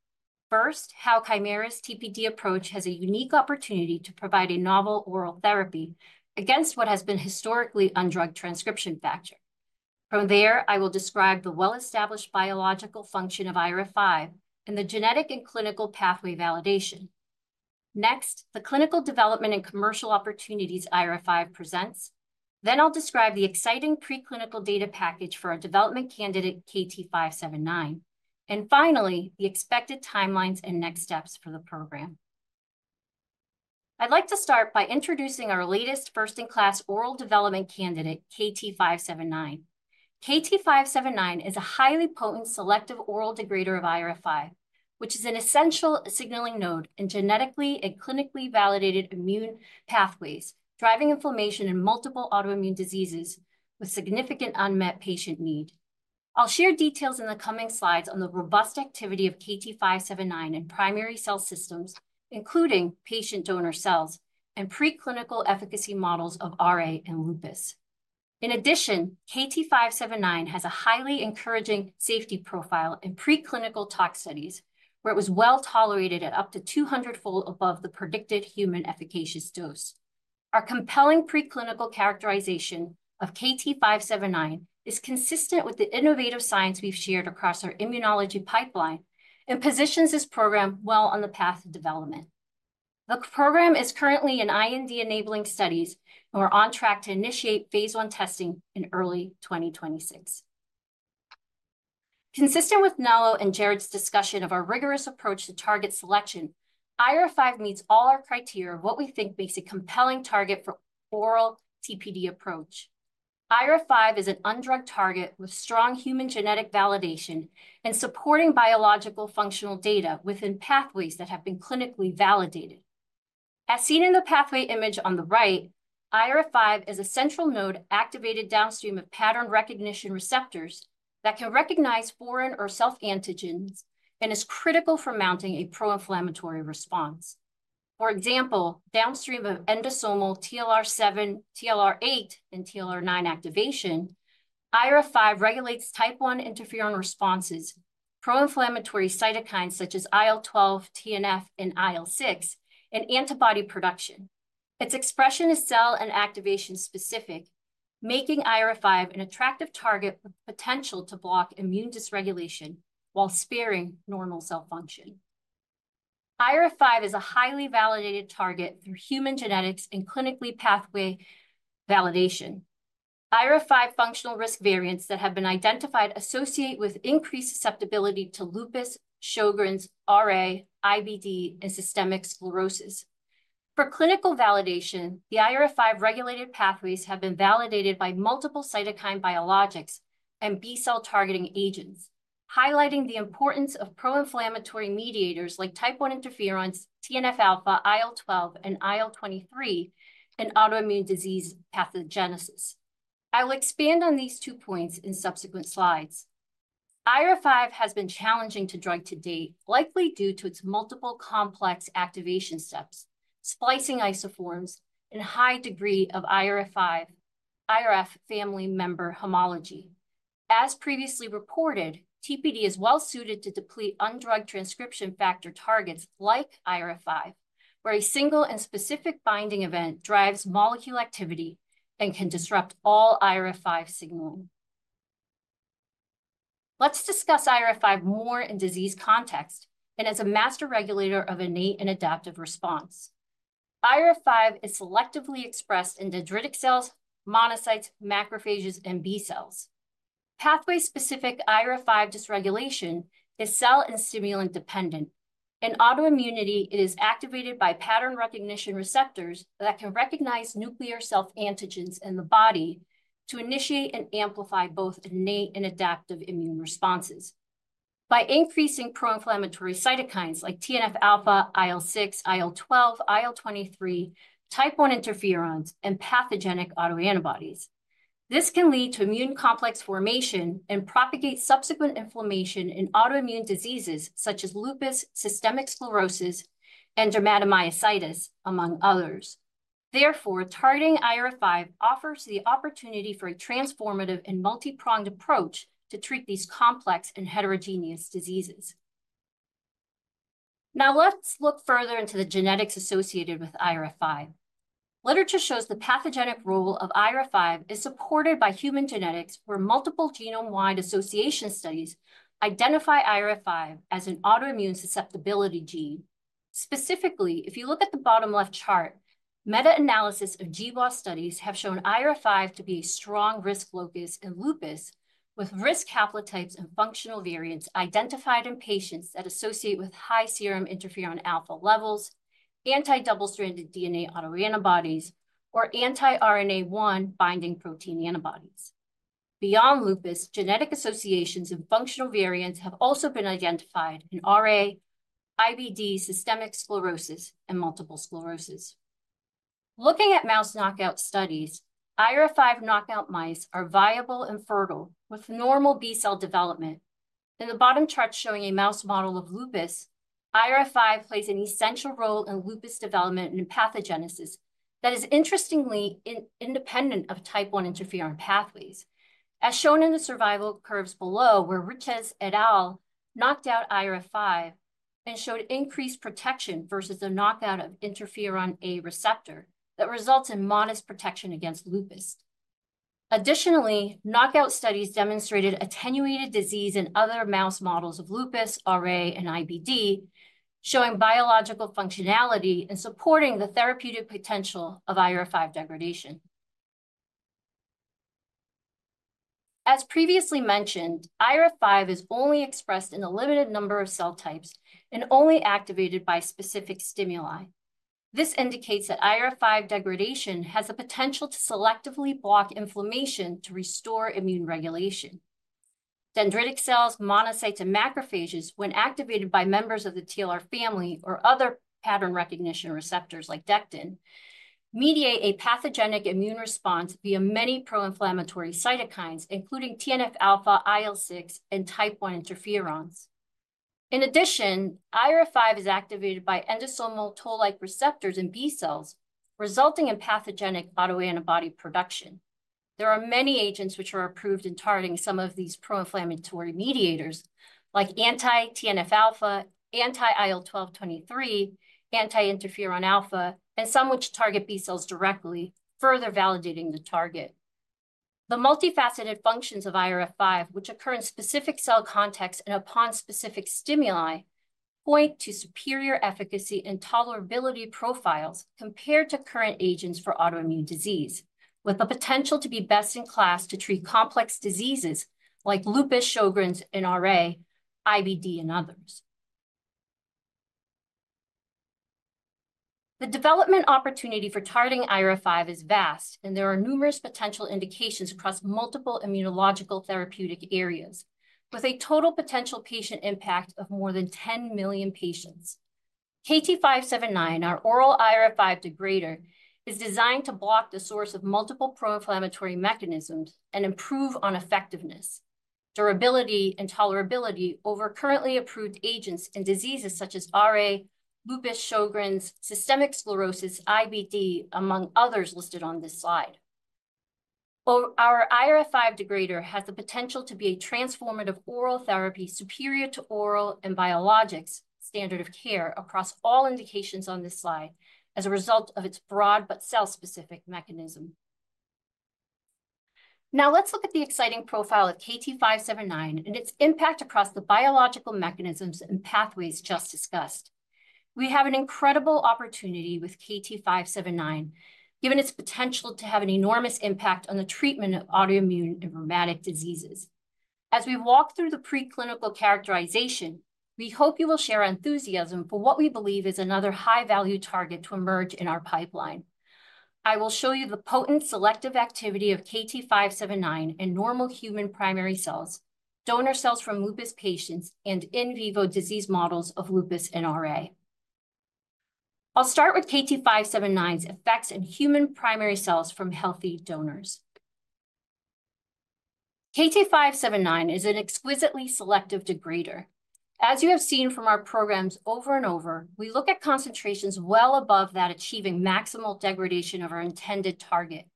first how Kymera's TPD approach has a unique opportunity to provide a novel oral therapy against what has been historically underdrugged transcription factor. From there, I will describe the well-established biological function of IRF5 and the genetic and clinical pathway validation. Next, the clinical development and commercial opportunities IRF5 presents. Next, I'll describe the exciting preclinical data package for our development candidate, KT-579, and finally, the expected timelines and next steps for the program. I'd like to start by introducing our latest first-in-class oral development candidate, KT-579. KT-579 is a highly potent selective oral degrader of IRF5, which is an essential signaling node in genetically and clinically validated immune pathways, driving inflammation in multiple autoimmune diseases with significant unmet patient need. I'll share details in the coming slides on the robust activity of KT-579 in primary cell systems, including patient donor cells, and preclinical efficacy models of RA and lupus. In addition, KT-579 has a highly encouraging safety profile in preclinical tox studies, where it was well tolerated at up to 200-fold above the predicted human efficacious dose. Our compelling preclinical characterization of KT-579 is consistent with the innovative science we've shared across our immunology pipeline and positions this program well on the path of development. The program is currently in IND-enabling studies, and we're on track to initiate phase I testing in early 2026. Consistent with Nello and Jared's discussion of our rigorous approach to target selection, IRF5 meets all our criteria of what we think makes a compelling target for oral TPD approach. IRF5 is an underdrugged target with strong human genetic validation and supporting biological functional data within pathways that have been clinically validated. As seen in the pathway image on the right, IRF5 is a central node activated downstream of pattern recognition receptors that can recognize foreign or self-antigens and is critical for mounting a pro-inflammatory response. For example, downstream of endosomal TLR7, TLR8, and TLR9 activation, IRF5 regulates type I interferon responses, pro-inflammatory cytokines such as IL-12, TNF, and IL-6, and antibody production. Its expression is cell and activation specific, making IRF5 an attractive target with potential to block immune dysregulation while sparing normal cell function. IRF5 is a highly validated target through human genetics and clinically pathway validation. IRF5 functional risk variants that have been identified associate with increased susceptibility to lupus, Sjögren's, RA, IBD, and systemic sclerosis. For clinical validation, the IRF5 regulated pathways have been validated by multiple cytokine biologics and B-cell targeting agents, highlighting the importance of pro-inflammatory mediators like type I interferons, TNF alpha, IL-12, and IL-23 in autoimmune disease pathogenesis. I will expand on these two points in subsequent slides. IRF5 has been challenging to drug to date, likely due to its multiple complex activation steps, splicing isoforms, and high degree of IRF5, IRF family member homology. As previously reported, TPD is well suited to deplete underdrugged transcription factor targets like IRF5, where a single and specific binding event drives molecule activity and can disrupt all IRF5 signaling. Let's discuss IRF5 more in disease context and as a master regulator of innate and adaptive response. IRF5 is selectively expressed in dendritic cells, monocytes, macrophages, and B cells. Pathway-specific IRF5 dysregulation is cell and stimulant dependent. In autoimmunity, it is activated by pattern recognition receptors that can recognize nuclear self-antigens in the body to initiate and amplify both innate and adaptive immune responses by increasing pro-inflammatory cytokines like TNF alpha, IL-6, IL-12, IL-23, type I interferons, and pathogenic autoantibodies. This can lead to immune complex formation and propagate subsequent inflammation in autoimmune diseases such as lupus, systemic sclerosis, and dermatomyositis, among others. Therefore, targeting IRF5 offers the opportunity for a transformative and multi-pronged approach to treat these complex and heterogeneous diseases. Now, let's look further into the genetics associated with IRF5. Literature shows the pathogenic role of IRF5 is supported by human genetics, where multiple genome-wide association studies identify IRF5 as an autoimmune susceptibility gene. Specifically, if you look at the bottom-left chart, meta-analysis of GWAS studies have shown IRF5 to be a strong risk locus in lupus, with risk haplotypes and functional variants identified in patients that associate with high serum interferon alpha levels, anti-double-stranded DNA autoantibodies, or anti-RNA1 binding protein antibodies. Beyond lupus, genetic associations and functional variants have also been identified in RA, IBD, systemic sclerosis, and multiple sclerosis. Looking at mouse knockout studies, IRF5 knockout mice are viable and fertile with normal B cell development. In the bottom chart showing a mouse model of lupus, IRF5 plays an essential role in lupus development and pathogenesis that is interestingly independent of type I interferon pathways, as shown in the survival curves below, where Ruchez et al. knocked out IRF5 and showed increased protection versus the knockout of interferon A receptor that results in modest protection against lupus. Additionally, knockout studies demonstrated attenuated disease in other mouse models of lupus, RA, and IBD, showing biological functionality and supporting the therapeutic potential of IRF5 degradation. As previously mentioned, IRF5 is only expressed in a limited number of cell types and only activated by specific stimuli. This indicates that IRF5 degradation has the potential to selectively block inflammation to restore immune regulation. Dendritic cells, monocytes, and macrophages, when activated by members of the TLR family or other pattern recognition receptors like DECTIN, mediate a pathogenic immune response via many pro-inflammatory cytokines, including TNF alpha, IL-6, and type I interferons. In addition, IRF5 is activated by endosomal toll-like receptors in B cells, resulting in pathogenic autoantibody production. There are many agents which are approved in targeting some of these pro-inflammatory mediators, like anti-TNF alpha, anti-IL-12/23, anti-interferon alpha, and some which target B cells directly, further validating the target. The multifaceted functions of IRF5, which occur in specific cell contexts and upon specific stimuli, point to superior efficacy and tolerability profiles compared to current agents for autoimmune disease, with the potential to be best in class to treat complex diseases like lupus, Sjögren's, and RA, IBD, and others. The development opportunity for targeting IRF5 is vast, and there are numerous potential indications across multiple immunological therapeutic areas, with a total potential patient impact of more than 10 million patients. KT-579, our oral IRF5 degrader, is designed to block the source of multiple pro-inflammatory mechanisms and improve on effectiveness, durability, and tolerability over currently approved agents in diseases such as RA, lupus, Sjogren's, systemic sclerosis, IBD, among others listed on this slide. Our IRF5 degrader has the potential to be a transformative oral therapy superior to oral and biologics standard of care across all indications on this slide as a result of its broad but cell-specific mechanism. Now, let's look at the exciting profile of KT-579 and its impact across the biological mechanisms and pathways just discussed. We have an incredible opportunity with KT-579, given its potential to have an enormous impact on the treatment of autoimmune and rheumatic diseases. As we walk through the preclinical characterization, we hope you will share enthusiasm for what we believe is another high-value target to emerge in our pipeline. I will show you the potent selective activity of KT-579 in normal human primary cells, donor cells from lupus patients, and in vivo disease models of lupus and RA. I'll start with KT-579's effects in human primary cells from healthy donors. KT-579 is an exquisitely selective degrader. As you have seen from our programs over and over, we look at concentrations well above that, achieving maximal degradation of our intended target.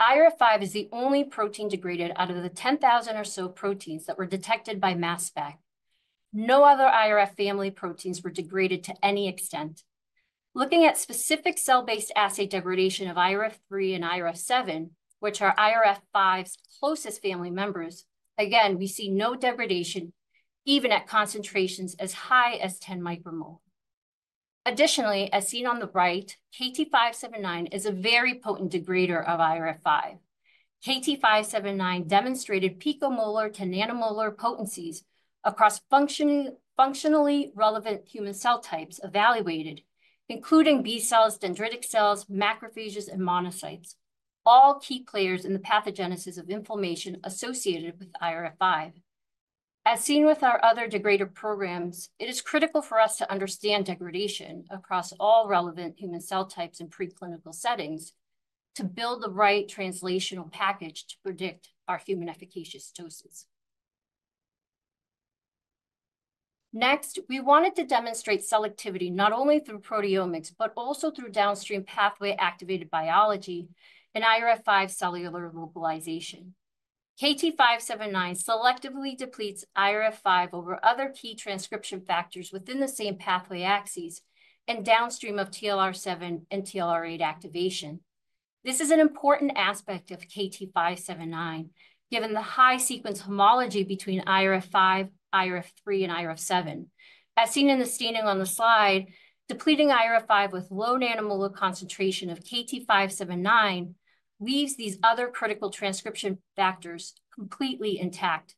IRF5 is the only protein degraded out of the 10,000 or so proteins that were detected by mass spec. No other IRF family proteins were degraded to any extent. Looking at specific cell-based assay degradation of IRF3 and IRF7, which are IRF5's closest family members, again, we see no degradation, even at concentrations as high as 10 micromole. Additionally, as seen on the right, KT-579 is a very potent degrader of IRF5. KT-579 demonstrated picomolar to nanomolar potencies across functionally relevant human cell types evaluated, including B cells, dendritic cells, macrophages, and monocytes, all key players in the pathogenesis of inflammation associated with IRF5. As seen with our other degrader programs, it is critical for us to understand degradation across all relevant human cell types in preclinical settings to build the right translational package to predict our human efficacious doses. Next, we wanted to demonstrate selectivity not only through proteomics, but also through downstream pathway activated biology and IRF5 cellular localization. KT-579 selectively depletes IRF5 over other key transcription factors within the same pathway axes and downstream of TLR7 and TLR8 activation. This is an important aspect of KT-579, given the high sequence homology between IRF5, IRF3, and IRF7. As seen in the staining on the slide, depleting IRF5 with low nanomolar concentration of KT-579 leaves these other critical transcription factors completely intact.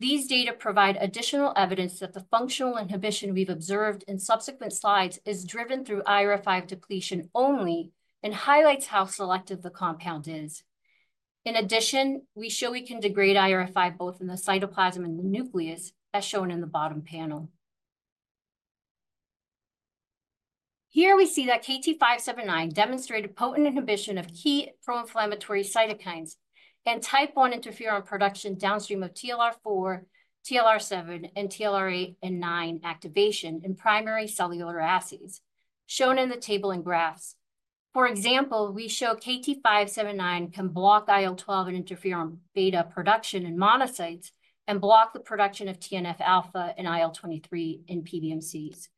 These data provide additional evidence that the functional inhibition we've observed in subsequent slides is driven through IRF5 depletion only and highlights how selective the compound is. In addition, we show we can degrade IRF5 both in the cytoplasm and the nucleus, as shown in the bottom panel. Here we see that KT-579 demonstrated potent inhibition of key pro-inflammatory cytokines and type I interferon production downstream of TLR4, TLR7, and TLR8 and 9 activation in primary cellular assays, shown in the table and graphs. For example, we show KT-579 can block IL-12 and interferon beta production in monocytes and block the production of TNF alpha and IL-23 in PBMCs.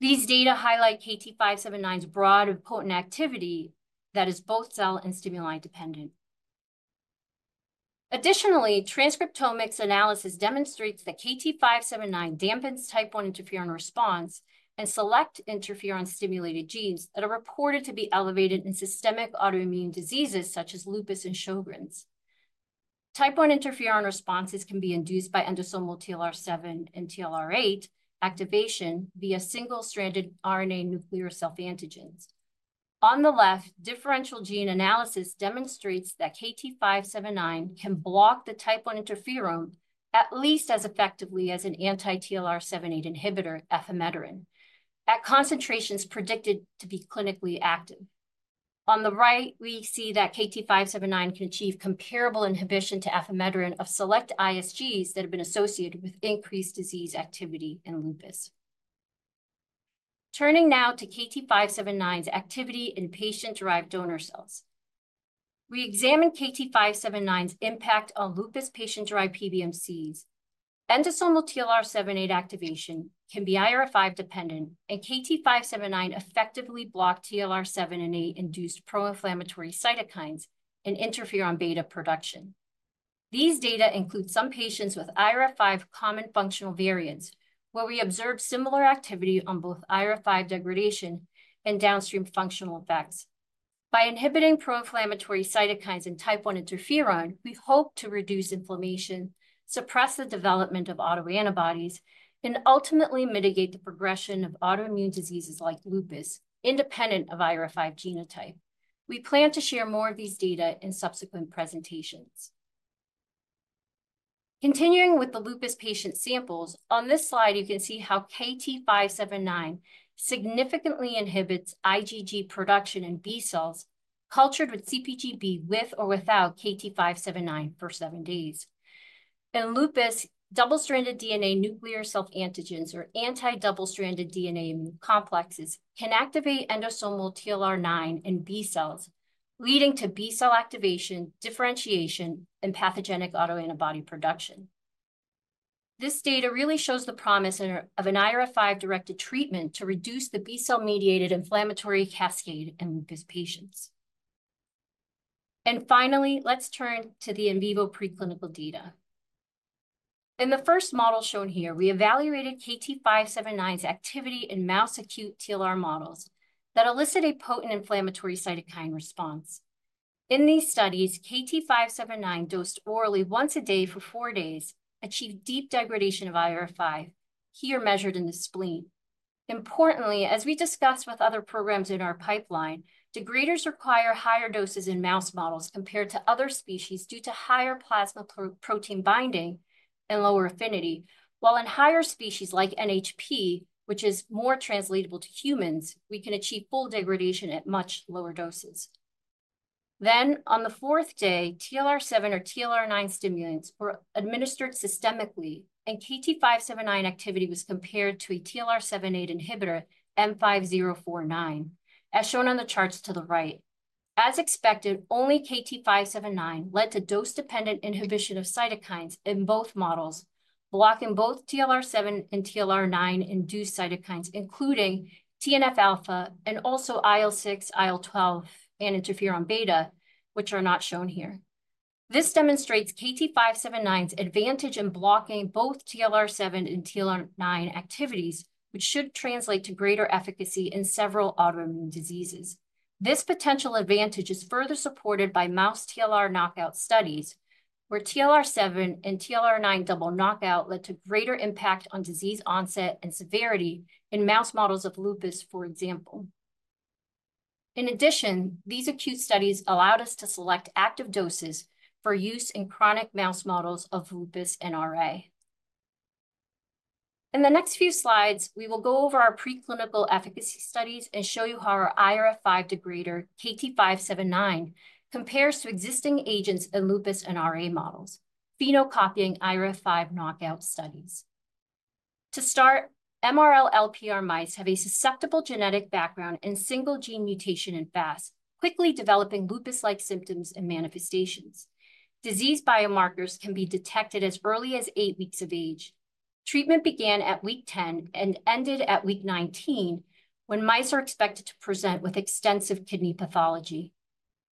These data highlight KT-579's broad and potent activity that is both cell and stimuli dependent. Additionally, transcriptomics analysis demonstrates that KT-579 dampens type I interferon response and select interferon-stimulated genes that are reported to be elevated in systemic autoimmune diseases such as lupus and Sjögren's. Type I interferon responses can be induced by endosomal TLR7 and TLR8 activation via single-stranded RNA nuclear self-antigens. On the left, differential gene analysis demonstrates that KT-579 can block the type I interferon at least as effectively as an anti-TLR7/8 inhibitor, enpatoran, at concentrations predicted to be clinically active. On the right, we see that KT-579 can achieve comparable inhibition to enpatoran of select ISGs that have been associated with increased disease activity in lupus. Turning now to KT-579's activity in patient-derived donor cells. We examined KT-579's impact on lupus patient-derived PBMCs. Endosomal TLR7/8 activation can be IRF5 dependent, and KT-579 effectively blocked TLR7 and 8-induced pro-inflammatory cytokines and interferon beta production. These data include some patients with IRF5 common functional variants, where we observed similar activity on both IRF5 degradation and downstream functional effects. By inhibiting pro-inflammatory cytokines and type I interferon, we hope to reduce inflammation, suppress the development of autoantibodies, and ultimately mitigate the progression of autoimmune diseases like lupus independent of IRF5 genotype. We plan to share more of these data in subsequent presentations. Continuing with the lupus patient samples, on this slide, you can see how KT-579 significantly inhibits IgG production in B cells cultured with CpG-B with or without KT-579 for seven days. In lupus, double-stranded DNA nuclear self-antigens, or anti-double-stranded DNA immune complexes, can activate endosomal TLR9 in B cells, leading to B cell activation, differentiation, and pathogenic autoantibody production. This data really shows the promise of an IRF5-directed treatment to reduce the B cell-mediated inflammatory cascade in lupus patients. Finally, let's turn to the in vivo preclinical data. In the first model shown here, we evaluated KT-579's activity in mouse acute TLR models that elicit a potent inflammatory cytokine response. In these studies, KT-579 dosed orally once a day for four days achieved deep degradation of IRF5, here measured in the spleen. Importantly, as we discussed with other programs in our pipeline, degraders require higher doses in mouse models compared to other species due to higher plasma protein binding and lower affinity, while in higher species like NHP, which is more translatable to humans, we can achieve full degradation at much lower doses. On the fourth day, TLR7 or TLR9 stimulants were administered systemically, and KT-579 activity was compared to a TLR7/8 inhibitor, M5049, as shown on the charts to the right. As expected, only KT-579 led to dose-dependent inhibition of cytokines in both models, blocking both TLR7 and TLR9-induced cytokines, including TNF alpha and also IL-6, IL-12, and interferon beta, which are not shown here. This demonstrates KT-579's advantage in blocking both TLR7 and TLR9 activities, which should translate to greater efficacy in several autoimmune diseases. This potential advantage is further supported by mouse TLR knockout studies, where TLR7 and TLR9 double knockout led to greater impact on disease onset and severity in mouse models of lupus, for example. In addition, these acute studies allowed us to select active doses for use in chronic mouse models of lupus and RA. In the next few slides, we will go over our preclinical efficacy studies and show you how our IRF5 degrader, KT-579, compares to existing agents in lupus and RA models, phenocopying IRF5 knockout studies. To start, MRL-lpr mice have a susceptible genetic background and single-gene mutation in Fas, quickly developing lupus-like symptoms and manifestations. Disease biomarkers can be detected as early as eight weeks of age. Treatment began at week 10 and ended at week 19 when mice are expected to present with extensive kidney pathology.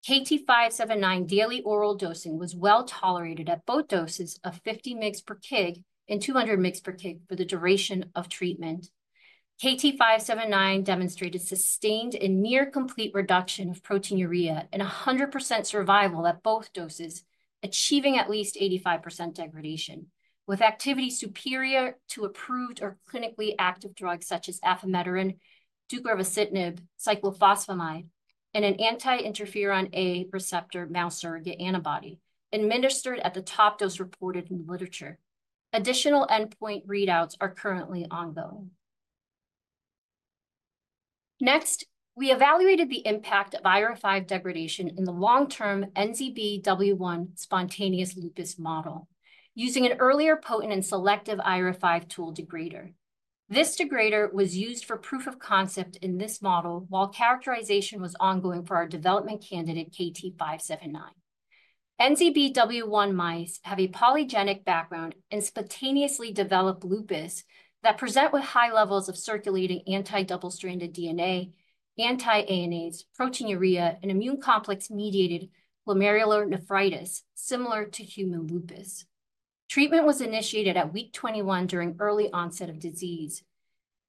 KT-579 daily oral dosing was well tolerated at both doses of 50 mg per kg and 200 mg per kg for the duration of treatment. KT-579 demonstrated sustained and near-complete reduction of proteinuria and 100% survival at both doses, achieving at least 85% degradation, with activity superior to approved or clinically active drugs such as enpatoran, ducarovacitinib, cyclophosphamide, and an anti-interferon A receptor mouse surrogate antibody administered at the top dose reported in the literature. Additional endpoint readouts are currently ongoing. Next, we evaluated the impact of IRF5 degradation in the long-term NZBW1 spontaneous lupus model using an earlier potent and selective IRF5 tool degrader. This degrader was used for proof of concept in this model while characterization was ongoing for our development candidate KT-579. NZBW1 mice have a polygenic background and spontaneously develop lupus that present with high levels of circulating anti-double-stranded DNA, anti-ANAs, proteinuria, and immune complex-mediated glomerulonephritis similar to human lupus. Treatment was initiated at week 21 during early onset of disease.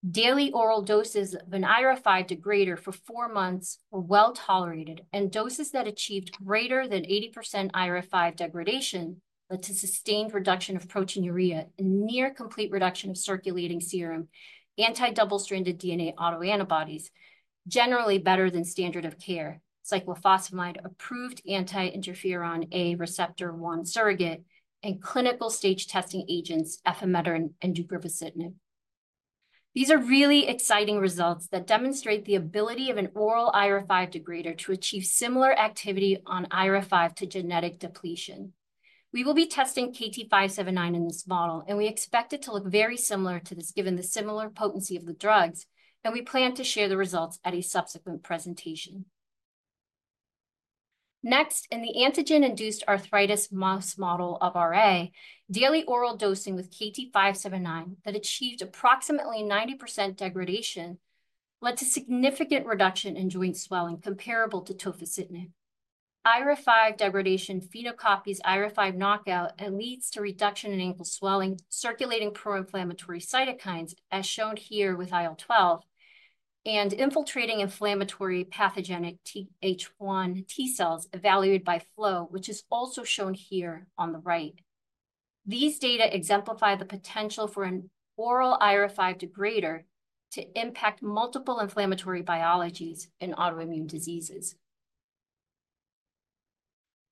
Daily oral doses of an IRF5 degrader for four months were well tolerated, and doses that achieved greater than 80% IRF5 degradation led to sustained reduction of proteinuria and near-complete reduction of circulating serum anti-double-stranded DNA autoantibodies, generally better than standard of care, cyclophosphamide, approved anti-interferon A receptor 1 surrogate, and clinical stage testing agents enpatoran and ducarovacitinib. These are really exciting results that demonstrate the ability of an oral IRF5 degrader to achieve similar activity on IRF5 to genetic depletion. We will be testing KT-579 in this model, and we expect it to look very similar to this given the similar potency of the drugs, and we plan to share the results at a subsequent presentation. Next, in the antigen-induced arthritis mouse model of RA, daily oral dosing with KT-579 that achieved approximately 90% degradation led to significant reduction in joint swelling comparable to tocilizumab. IRF5 degradation phenocopies IRF5 knockout and leads to reduction in ankle swelling, circulating pro-inflammatory cytokines, as shown here with IL-12, and infiltrating inflammatory pathogenic Th1 T cells evaluated by flow, which is also shown here on the right. These data exemplify the potential for an oral IRF5 degrader to impact multiple inflammatory biologies in autoimmune diseases.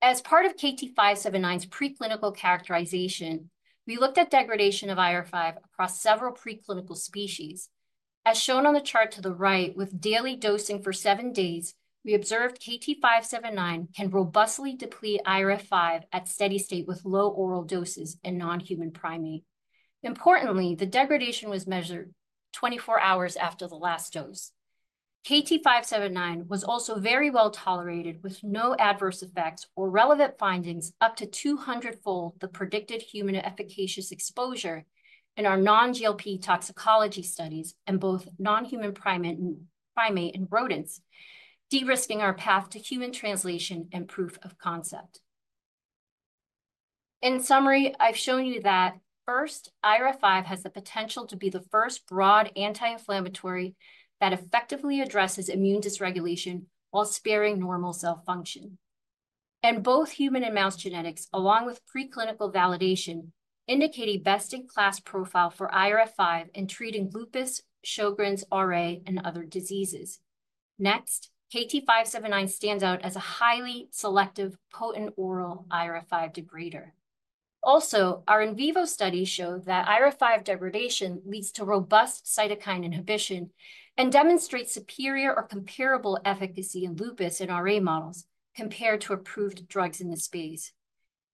As part of KT-579's preclinical characterization, we looked at degradation of IRF5 across several preclinical species. As shown on the chart to the right, with daily dosing for seven days, we observed KT-579 can robustly deplete IRF5 at steady state with low oral doses in non-human primate. Importantly, the degradation was measured 24 hours after the last dose. KT-579 was also very well tolerated with no adverse effects or relevant findings up to 200-fold the predicted human efficacious exposure in our non-GLP toxicology studies in both non-human primate and rodents, de-risking our path to human translation and proof of concept. In summary, I've shown you that, first, IRF5 has the potential to be the first broad anti-inflammatory that effectively addresses immune dysregulation while sparing normal cell function. Both human and mouse genetics, along with preclinical validation, indicate a best-in-class profile for IRF5 in treating lupus, Sjögren's, RA, and other diseases. Next, KT-579 stands out as a highly selective, potent oral IRF5 degrader. Also, our in vivo studies show that IRF5 degradation leads to robust cytokine inhibition and demonstrates superior or comparable efficacy in lupus and RA models compared to approved drugs in this space.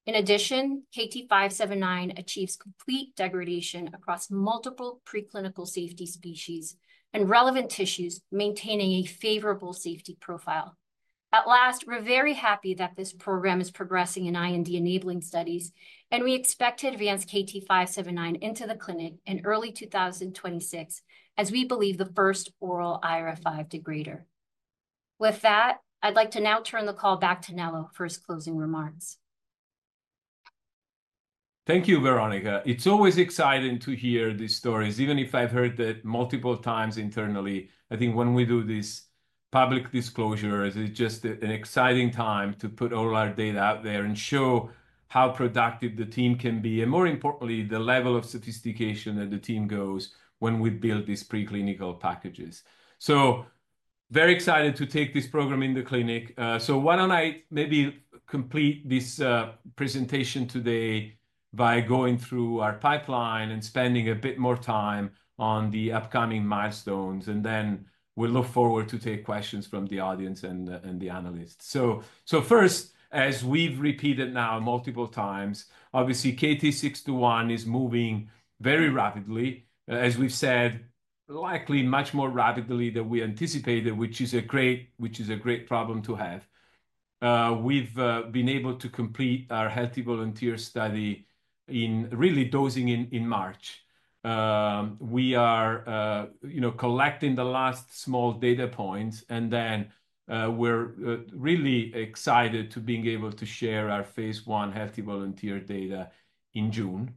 In addition, KT-579 achieves complete degradation across multiple preclinical safety species and relevant tissues, maintaining a favorable safety profile. At last, we're very happy that this program is progressing in IND-enabling studies, and we expect to advance KT-579 into the clinic in early 2026 as we believe the first oral IRF5 degrader. With that, I'd like to now turn the call back to Nello for his closing remarks. Thank you, Veronica. It's always exciting to hear these stories, even if I've heard that multiple times internally. I think when we do these public disclosures, it's just an exciting time to put all our data out there and show how productive the team can be and, more importantly, the level of sophistication that the team goes when we build these preclinical packages. So very excited to take this program in the clinic. Why don't I maybe complete this presentation today by going through our pipeline and spending a bit more time on the upcoming milestones, and then we'll look forward to take questions from the audience and the analysts. First, as we've repeated now multiple times, obviously, KT-621 is moving very rapidly, as we've said, likely much more rapidly than we anticipated, which is a great problem to have. We've been able to complete our healthy volunteer study in really dosing in March. We are collecting the last small data points, and then we're really excited to be able to share our phase I healthy volunteer data in June.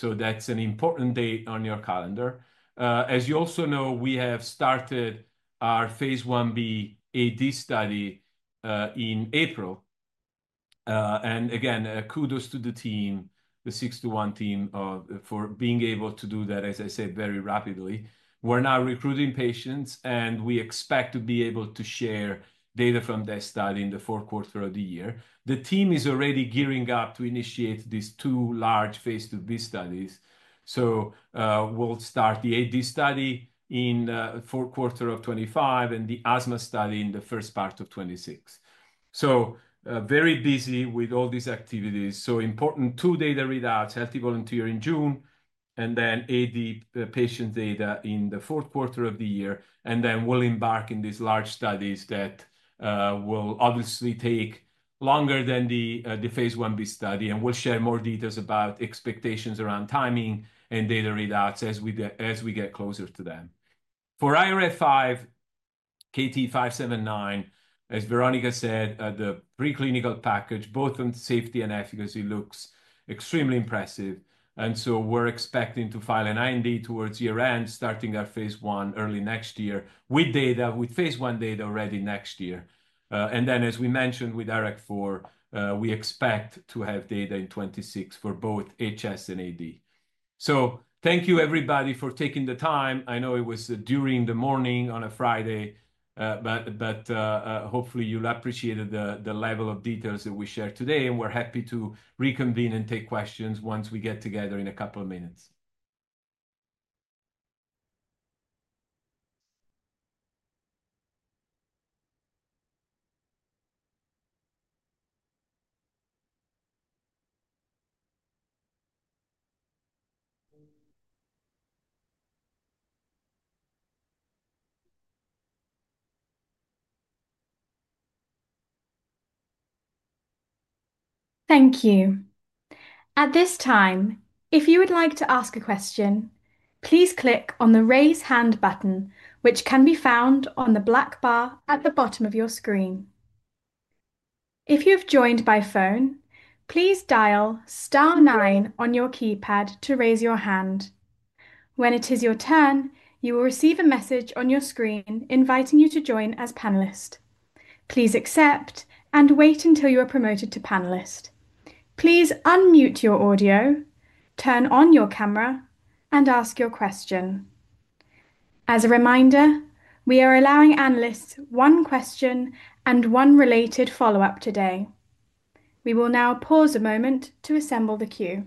That is an important date on your calendar. As you also know, we have started our phase I-B AD study in April. Again, kudos to the team, the 621 team, for being able to do that, as I said, very rapidly. We're now recruiting patients, and we expect to be able to share data from that study in the fourth quarter of the year. The team is already gearing up to initiate these two large phase II-B studies. We will start the AD study in the fourth quarter of 2025 and the asthma study in the first part of 2026. Very busy with all these activities. Important two data readouts, healthy volunteer in June, and then AD patient data in the fourth quarter of the year. Then we'll embark on these large studies that will obviously take longer than the phase I-B study, and we'll share more details about expectations around timing and data readouts as we get closer to them. For IRF5, KT-579, as Veronica said, the preclinical package, both in safety and efficacy, looks extremely impressive. We're expecting to file an IND towards year-end, starting our phase one early next year with phase I data already next year. As we mentioned with IRF4, we expect to have data in 2026 for both HS and AD. Thank you, everybody, for taking the time. I know it was during the morning on a Friday, but hopefully, you'll appreciate the level of details that we shared today, and we're happy to reconvene and take questions once we get together in a couple of minutes. Thank you. At this time, if you would like to ask a question, please click on the raise hand button, which can be found on the black bar at the bottom of your screen. If you have joined by phone, please dial star nine on your keypad to raise your hand. When it is your turn, you will receive a message on your screen inviting you to join as panelist. Please accept and wait until you are promoted to panelist. Please unmute your audio, turn on your camera, and ask your question. As a reminder, we are allowing analysts one question and one related follow-up today. We will now pause a moment to assemble the queue.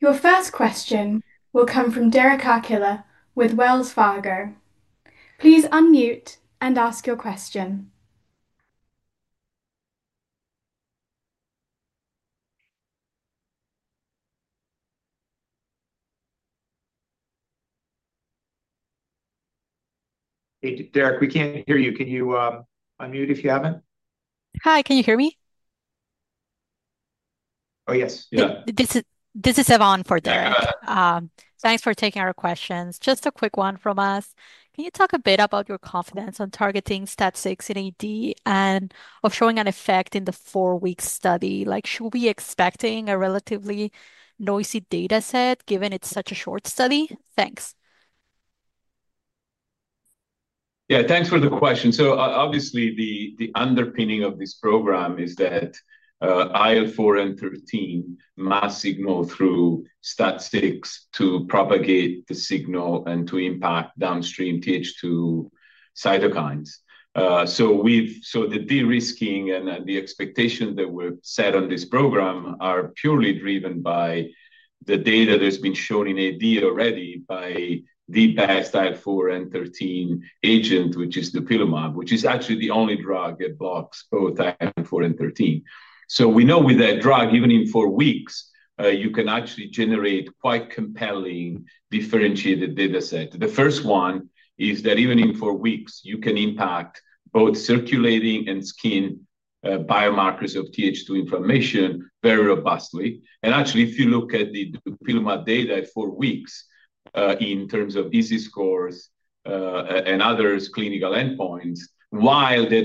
Your first question will come from Derek Archila with Wells Fargo. Please unmute and ask your question. Derek, we can't hear you. Can you unmute if you haven't? Hi, can you hear me? Oh, yes. This is Yvonne for Derek. Thanks for taking our questions. Just a quick one from us. Can you talk a bit about your confidence on targeting STAT6 in AD and showing an effect in the four-week study? Like, should we be expecting a relatively noisy data set given it's such a short study? Thanks. Yeah, thanks for the question. Obviously, the underpinning of this program is that IL-4 and 13 must signal through STAT6 to propagate the signal and to impact downstream Th2 cytokines. The de-risking and the expectation that we've set on this program are purely driven by the data that's been shown in AD already by the past IL-4 and 13 agent, which is dupilumab, which is actually the only drug that blocks both IL-4 and 13. We know with that drug, even in four weeks, you can actually generate quite compelling differentiated data set. The first one is that even in four weeks, you can impact both circulating and skin biomarkers of Th2 inflammation very robustly. Actually, if you look at the dupilumab data at four weeks in terms of EASI scores and other clinical endpoints, while they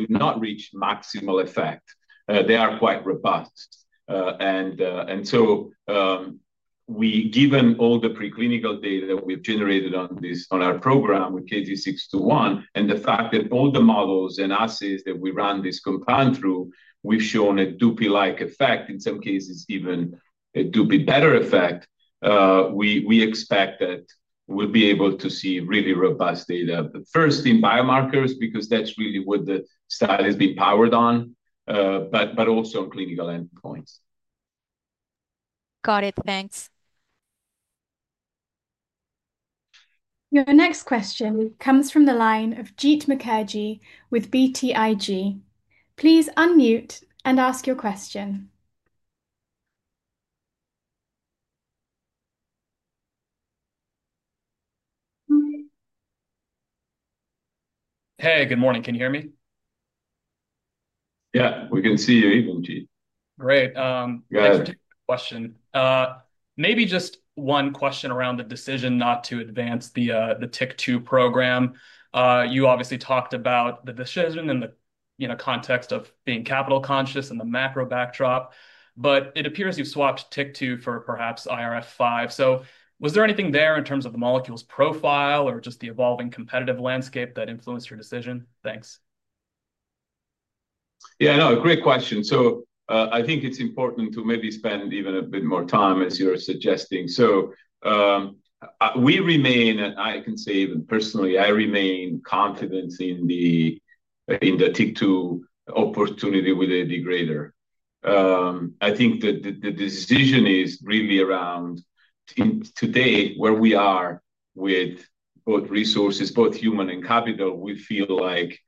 do not reach maximal effect, they are quite robust. We, given all the preclinical data we've generated on our program with KT-621 and the fact that all the models and assays that we run this compound through, we've shown a dupi-like effect, in some cases even a dupi-better effect, we expect that we'll be able to see really robust data, first in biomarkers, because that's really what the study has been powered on, but also on clinical endpoints. Got it. Thanks. Your next question comes from the line of Jeet Mukherjee with BTIG. Please unmute and ask your question. Hey, good morning. Can you hear me? Yeah, we can see you evenly. Great. Thanks for taking the question. Maybe just one question around the decision not to advance the TYK2 program. You obviously talked about the decision in the context of being capital conscious and the macro backdrop, but it appears you've swapped TYK2 for perhaps IRF5. Was there anything there in terms of the molecule's profile or just the evolving competitive landscape that influenced your decision? Thanks. Yeah, no, great question. I think it's important to maybe spend even a bit more time, as you're suggesting. We remain, and I can say even personally, I remain confident in the TYK2 opportunity with a degrader. I think that the decision is really around today, where we are with both resources, both human and capital. We feel like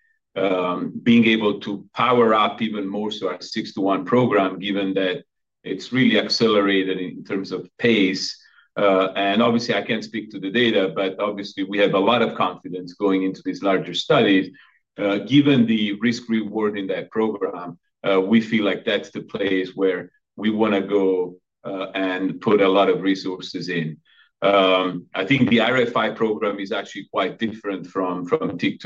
being able to power up even more so our 621 program, given that it's really accelerated in terms of pace. Obviously, I can't speak to the data, but obviously, we have a lot of confidence going into these larger studies. Given the risk-reward in that program, we feel like that's the place where we want to go and put a lot of resources in. I think the IRF5 program is actually quite different from TYK2.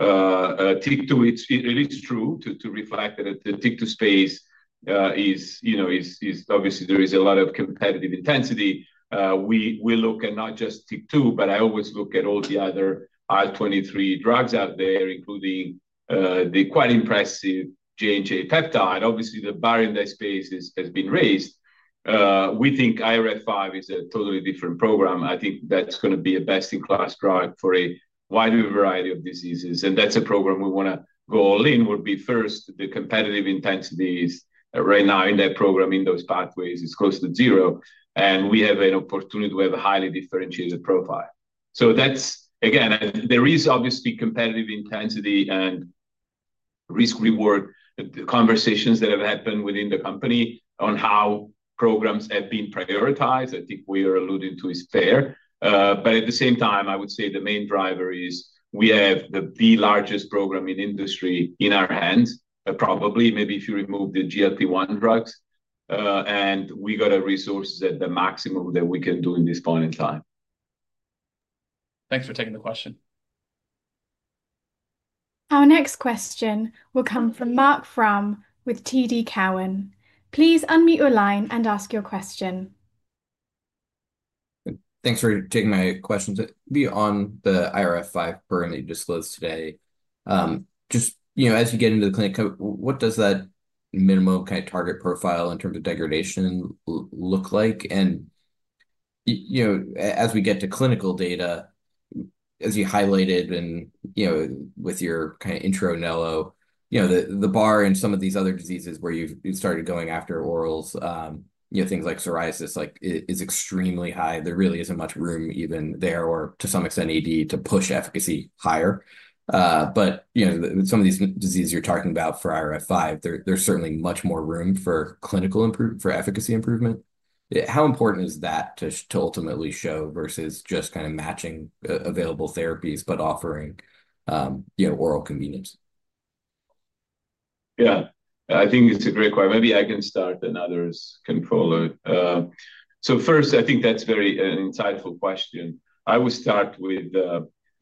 TYK2, it is true to reflect that the TYK2 space is obviously, there is a lot of competitive intensity. We look at not just TYK2, but I always look at all the other IL-23 drugs out there, including the quite impressive J&J peptide. Obviously, the bar in that space has been raised. We think IRF5 is a totally different program. I think that's going to be a best-in-class drug for a wide variety of diseases. And that's a program we want to go all in. Would be first, the competitive intensities right now in that program, in those pathways, is close to zero. And we have an opportunity to have a highly differentiated profile. So that's, again, there is obviously competitive intensity and risk-reward conversations that have happened within the company on how programs have been prioritized. I think we are alluding to is fair. At the same time, I would say the main driver is we have the largest program in industry in our hands, probably, maybe if you remove the GLP-1 drugs. We got our resources at the maximum that we can do in this point in time. Thanks for taking the question. Our next question will come from Mark Frahm with TD Cowen. Please unmute your line and ask your question. Thanks for taking my question. Beyond the IRF5 currently disclosed today, just as you get into the clinic, what does that minimum kind of target profile in terms of degradation look like? As we get to clinical data, as you highlighted with your kind of intro, Nello, the bar in some of these other diseases where you've started going after orals, things like psoriasis, is extremely high. There really is not much room even there or to some extent AD to push efficacy higher. But some of these diseases you are talking about for IRF5, there is certainly much more room for clinical improvement, for efficacy improvement. How important is that to ultimately show versus just kind of matching available therapies but offering oral convenience? Yeah, I think it is a great question. Maybe I can start and others can follow it. First, I think that is a very insightful question. I will start with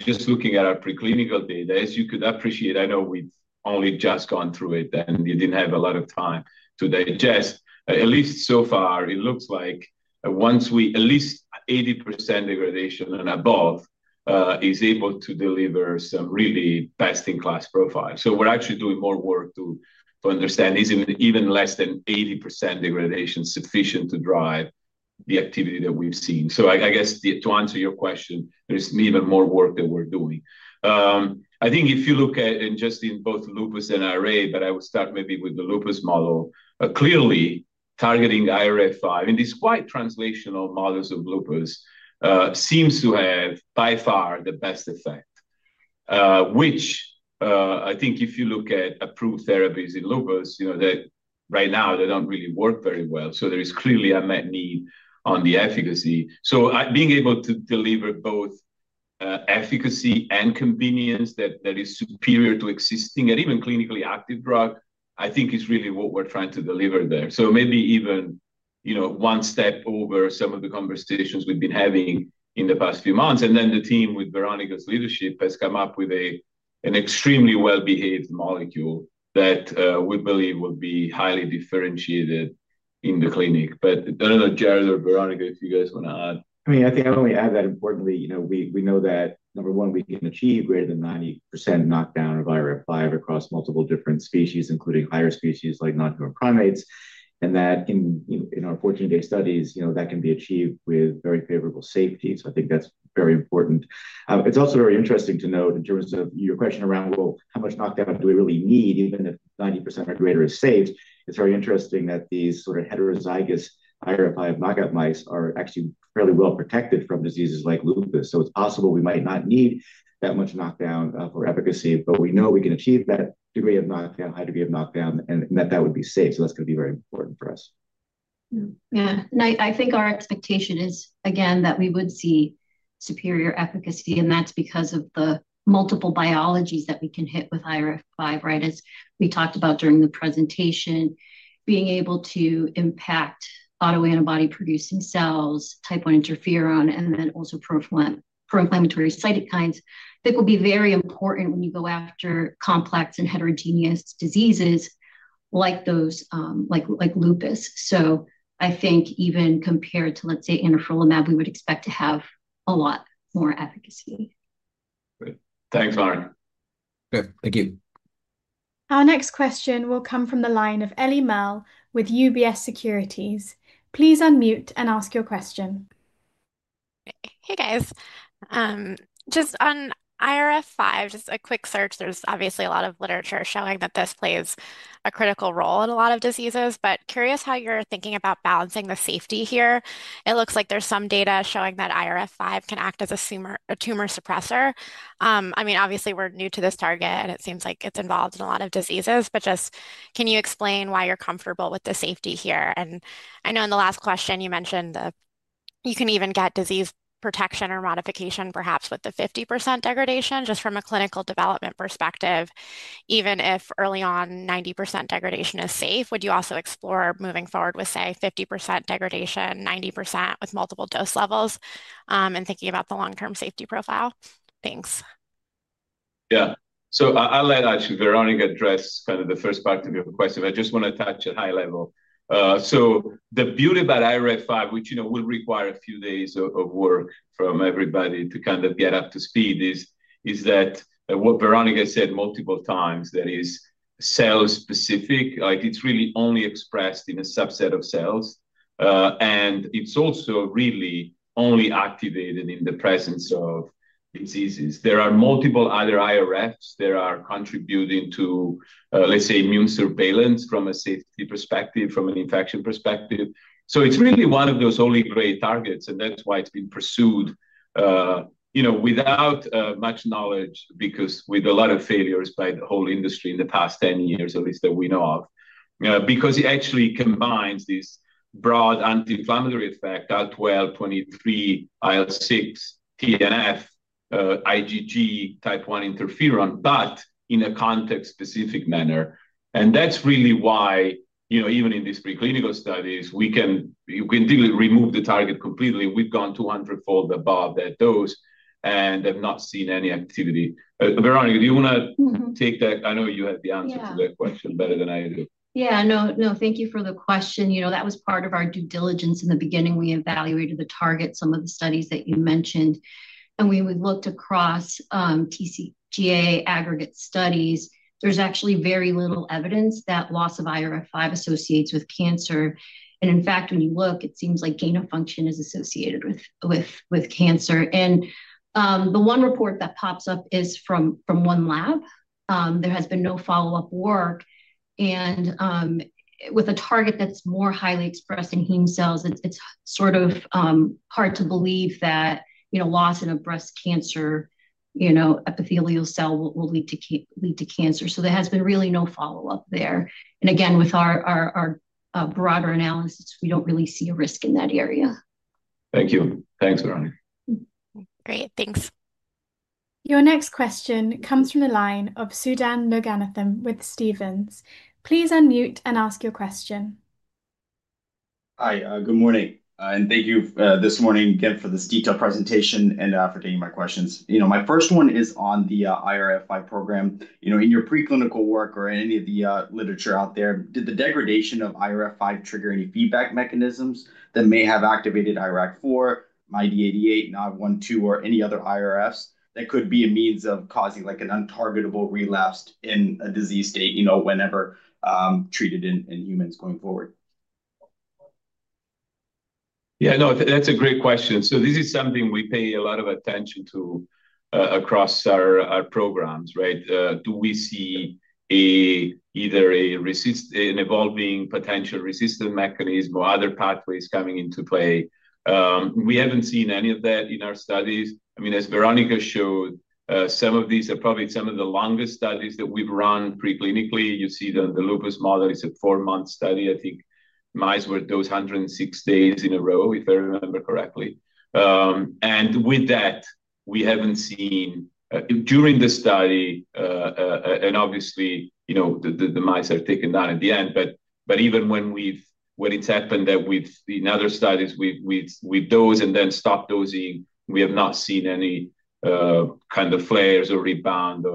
just looking at our preclinical data. As you could appreciate, I know we have only just gone through it, and you did not have a lot of time to digest. At least so far, it looks like at least 80% degradation and above is able to deliver some really best-in-class profile. We're actually doing more work to understand, is it even less than 80% degradation sufficient to drive the activity that we've seen? I guess to answer your question, there's even more work that we're doing. I think if you look at just in both lupus and RA, but I will start maybe with the lupus model, clearly targeting IRF5, and these quite translational models of lupus seem to have by far the best effect, which I think if you look at approved therapies in lupus, right now, they don't really work very well. There is clearly a net need on the efficacy. Being able to deliver both efficacy and convenience that is superior to existing and even clinically active drug, I think is really what we're trying to deliver there. Maybe even one step over some of the conversations we've been having in the past few months. The team, with Veronica's leadership, has come up with an extremely well-behaved molecule that we believe will be highly differentiated in the clinic. I don't know, Jared or Veronica, if you guys want to add. I mean, I think I only add that, importantly, we know that, number one, we can achieve greater than 90% knockdown of IRF5 across multiple different species, including higher species like nontumor primates. In our 14-day studies, that can be achieved with very favorable safety. I think that's very important. It's also very interesting to note, in terms of your question around, well, how much knockdown do we really need even if 90% or greater is safe? It's very interesting that these sort of heterozygous IRF5 knockout mice are actually fairly well protected from diseases like lupus. It's possible we might not need that much knockdown for efficacy, but we know we can achieve that degree of knockdown, high degree of knockdown, and that that would be safe. That's going to be very important for us. Yeah. I think our expectation is, again, that we would see superior efficacy, and that's because of the multiple biologies that we can hit with IRF5, right, as we talked about during the presentation, being able to impact autoantibody-producing cells, type I interferon, and then also pro-inflammatory cytokines. I think it will be very important when you go after complex and heterogeneous diseases like lupus. I think even compared to, let's say, interferolimab, we would expect to have a lot more efficacy. Great. Thanks, Mara. Thank you. Our next question will come from the line of Ellie Merle with UBS Securities. Please unmute and ask your question. Hey, guys. Just on IRF5, just a quick search. There's obviously a lot of literature showing that this plays a critical role in a lot of diseases, but curious how you're thinking about balancing the safety here. It looks like there's some data showing that IRF5 can act as a tumor suppressor. I mean, obviously, we're new to this target, and it seems like it's involved in a lot of diseases, but just can you explain why you're comfortable with the safety here? I know in the last question, you mentioned that you can even get disease protection or modification, perhaps with the 50% degradation, just from a clinical development perspective, even if early on, 90% degradation is safe. Would you also explore moving forward with, say, 50% degradation, 90% with multiple dose levels, and thinking about the long-term safety profile? Thanks. Yeah. I'll let actually Veronica address kind of the first part of your question. I just want to touch at high level. The beauty about IRF5, which will require a few days of work from everybody to kind of get up to speed, is that what Veronica said multiple times, that is cell-specific. It's really only expressed in a subset of cells. It's also really only activated in the presence of diseases. There are multiple other IRFs that are contributing to, let's say, immune surveillance from a safety perspective, from an infection perspective. It is really one of those only great targets, and that's why it's been pursued without much knowledge because with a lot of failures by the whole industry in the past 10 years, at least that we know of, because it actually combines this broad anti-inflammatory effect, IL-12, 23, IL-6, TNF, IgG, type I interferon, but in a context-specific manner. That is really why even in these preclinical studies, we can remove the target completely. We've gone 200-fold above that dose and have not seen any activity. Veronica, do you want to take that? I know you have the answer to that question better than I do. Yeah. No, thank you for the question. That was part of our due diligence in the beginning. We evaluated the target, some of the studies that you mentioned, and we looked across TCGA aggregate studies. There's actually very little evidence that loss of IRF5 associates with cancer. In fact, when you look, it seems like gain of function is associated with cancer. The one report that pops up is from one lab. There has been no follow-up work. With a target that's more highly expressed in heme cells, it's sort of hard to believe that loss in a breast cancer epithelial cell will lead to cancer. There has been really no follow-up there. Again, with our broader analysis, we do not really see a risk in that area. Thank you. Thanks, Veronica. Great. Thanks. Your next question comes from the line of Sudan Loganathan with Stephens. Please unmute and ask your question. Hi. Good morning. Thank you this morning, again, for this detailed presentation and for taking my questions. My first one is on the IRF5 program. In your preclinical work or in any of the literature out there, did the degradation of IRF5 trigger any feedback mechanisms that may have activated IRF4, MyD88, NOD1/2, or any other IRFs that could be a means of causing an untargetable relapse in a disease state whenever treated in humans going forward? Yeah, no, that's a great question. This is something we pay a lot of attention to across our programs, right? Do we see either an evolving potential resistance mechanism or other pathways coming into play? We haven't seen any of that in our studies. I mean, as Veronica showed, some of these are probably some of the longest studies that we've run preclinically. You see that the lupus model is a four-month study. I think mice were dosed 106 days in a row, if I remember correctly. With that, we haven't seen during the study, and obviously, the mice are taken down at the end. Even when it's happened that in other studies, with dose and then stop dosing, we have not seen any kind of flares or rebound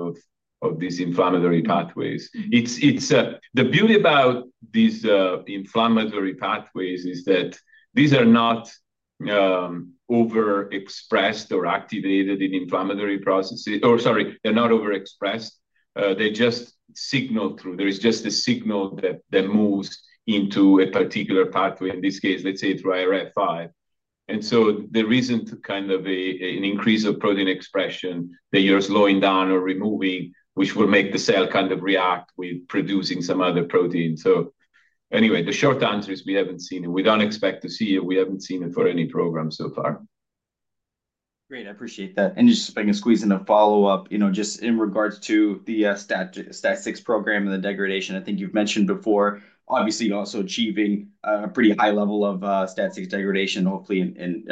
of these inflammatory pathways. The beauty about these inflammatory pathways is that these are not overexpressed or activated in inflammatory processes. Or sorry, they're not overexpressed. They just signal through. There is just a signal that moves into a particular pathway, in this case, let's say through IRF5. There isn't kind of an increase of protein expression that you're slowing down or removing, which will make the cell react with producing some other protein. Anyway, the short answer is we haven't seen it. We don't expect to see it. We haven't seen it for any program so far. Great. I appreciate that. Just if I can squeeze in a follow-up, just in regards to the STAT6 program and the degradation, I think you've mentioned before, obviously, also achieving a pretty high level of STAT6 degradation, hopefully, in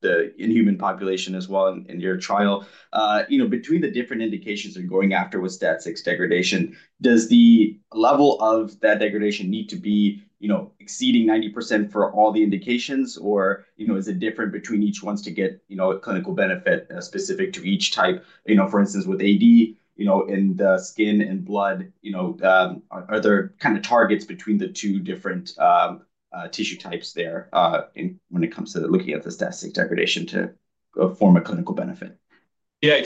the inhuman population as well in your trial. Between the different indications you're going after with STAT6 degradation, does the level of that degradation need to be exceeding 90% for all the indications, or is it different between each ones to get clinical benefit specific to each type? For instance, with AD in the skin and blood, are there kind of targets between the two different tissue types there when it comes to looking at the STAT6 degradation to form a clinical benefit? Yeah,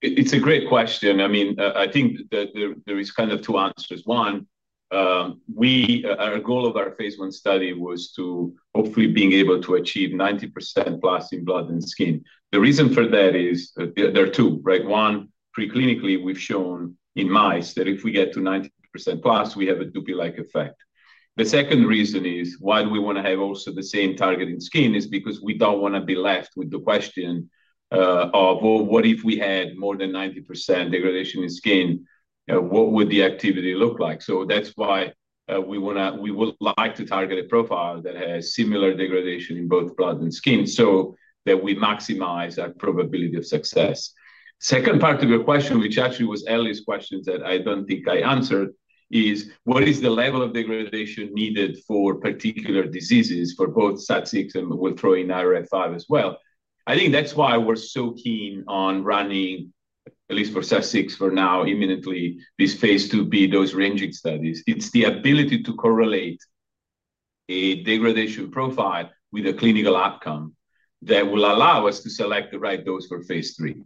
it's a great question. I mean, I think there is kind of two answers. One, our goal of our phase I study was to hopefully be able to achieve 90% plus in blood and skin. The reason for that is there are two, right? One, preclinically, we've shown in mice that if we get to 90% plus, we have a duplicate effect. The second reason is why do we want to have also the same target in skin is because we don't want to be left with the question of, well, what if we had more than 90% degradation in skin? What would the activity look like? That is why we would like to target a profile that has similar degradation in both blood and skin so that we maximize our probability of success. Second part of your question, which actually was Ellie's question that I do not think I answered, is what is the level of degradation needed for particular diseases for both STAT6 and we will throw in IRF5 as well? I think that is why we are so keen on running, at least for STAT6 for now, imminently, these phase II-B dose ranging studies. It is the ability to correlate a degradation profile with a clinical outcome that will allow us to select the right dose for phase III.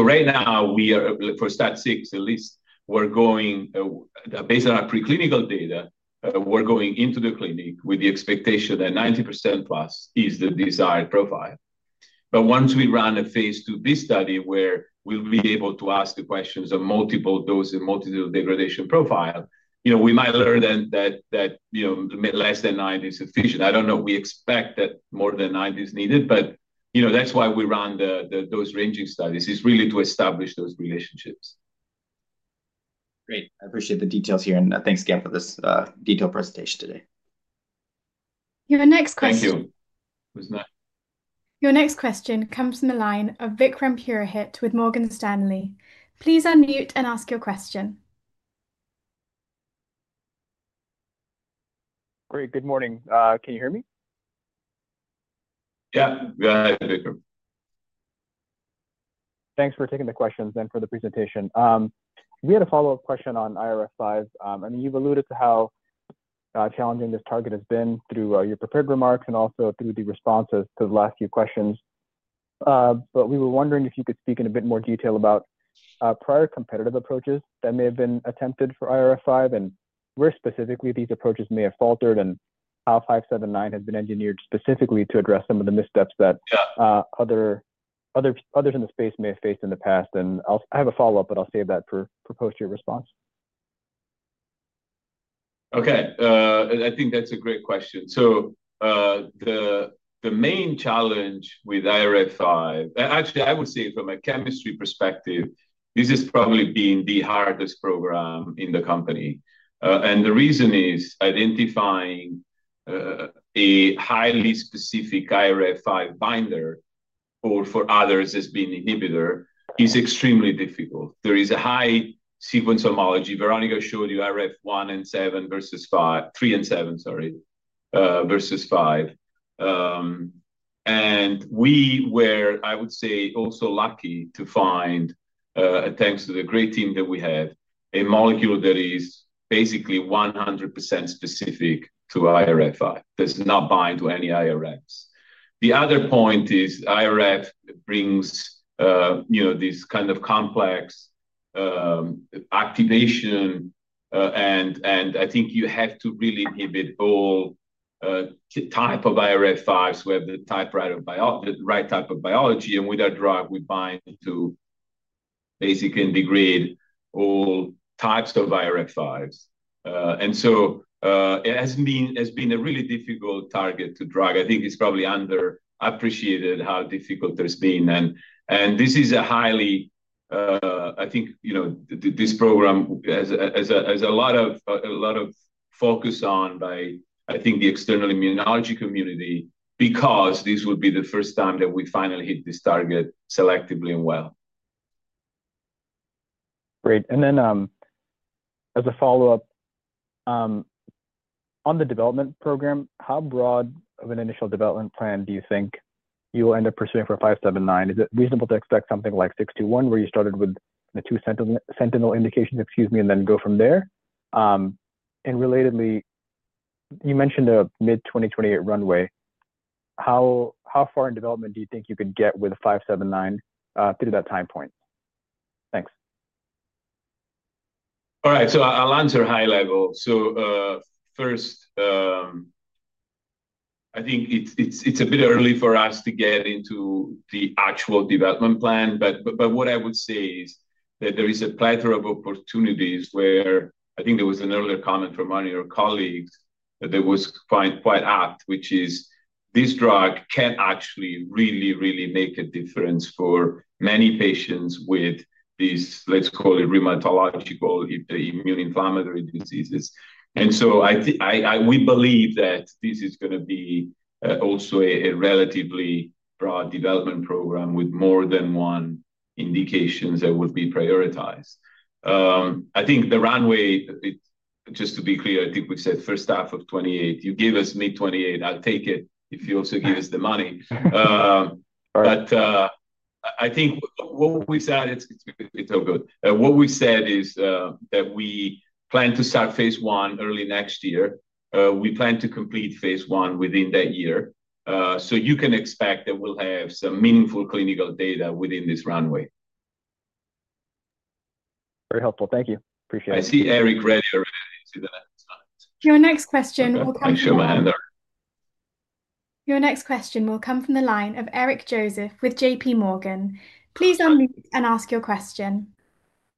Right now, for STAT6, at least, we are going based on our preclinical data, we are going into the clinic with the expectation that 90% plus is the desired profile. Once we run a phase II-B study where we will be able to ask the questions of multiple dose and multidose degradation profile, we might learn then that less than 90% is sufficient. I do not know. We expect that more than 90% is needed, but that's why we run those ranging studies. It's really to establish those relationships. Great. I appreciate the details here. Thanks again for this detailed presentation today. Your next question. Thank you. It was nice. Your next question comes from the line of Vikram Purohit with Morgan Stanley. Please unmute and ask your question. Great. Good morning. Can you hear me? Yeah. Hi, Vikram. Thanks for taking the questions and for the presentation. We had a follow-up question on IRF5. I mean, you've alluded to how challenging this target has been through your prepared remarks and also through the responses to the last few questions. We were wondering if you could speak in a bit more detail about prior competitive approaches that may have been attempted for IRF5, and where specifically these approaches may have faltered and how 579 has been engineered specifically to address some of the missteps that others in the space may have faced in the past. I have a follow-up, but I'll save that for posterior response. Okay. I think that's a great question. The main challenge with IRF5, actually, I would say from a chemistry perspective, this has probably been the hardest program in the company. The reason is identifying a highly specific IRF5 binder or, for others, as being inhibitor is extremely difficult. There is a high sequence homology. Veronica showed you IRF1 and 7 versus 3 and 7, sorry, versus 5. We were, I would say, also lucky to find, thanks to the great team that we had, a molecule that is basically 100% specific to IRF5. It does not bind to any IRFs. The other point is IRF brings this kind of complex activation. I think you have to really inhibit all type of IRF5s with the right type of biology. With our drug, we bind to basically and degrade all types of IRF5s. It has been a really difficult target to drug. I think it's probably underappreciated how difficult it has been. This is a highly, I think this program has a lot of focus on by, I think, the external immunology community because this will be the first time that we finally hit this target selectively and well. Great. Then as a follow-up on the development program, how broad of an initial development plan do you think you will end up pursuing for 579? Is it reasonable to expect something like 621 where you started with the two sentinel indications, excuse me, and then go from there? Relatedly, you mentioned a mid-2028 runway. How far in development do you think you could get with 579 through that time point? Thanks. All right. I'll answer high level. First, I think it's a bit early for us to get into the actual development plan. What I would say is that there is a plethora of opportunities where I think there was an earlier comment from one of your colleagues that was quite apt, which is this drug can actually really, really make a difference for many patients with these, let's call it, rheumatological immune inflammatory diseases. We believe that this is going to be also a relatively broad development program with more than one indication that would be prioritized. I think the runway, just to be clear, I think we said first half of 2028. You gave us mid-2028. I'll take it if you also give us the money. I think what we said, it's all good. What we said is that we plan to start phase I early next year. We plan to complete phase I within that year. You can expect that we'll have some meaningful clinical data within this runway. Very helpful. Thank you. Appreciate it. I see Eric ready already. See the next slide. Your next question will come from. I'll show my hand. Your next question will come from the line of Eric Joseph with JPMorgan. Please unmute and ask your question.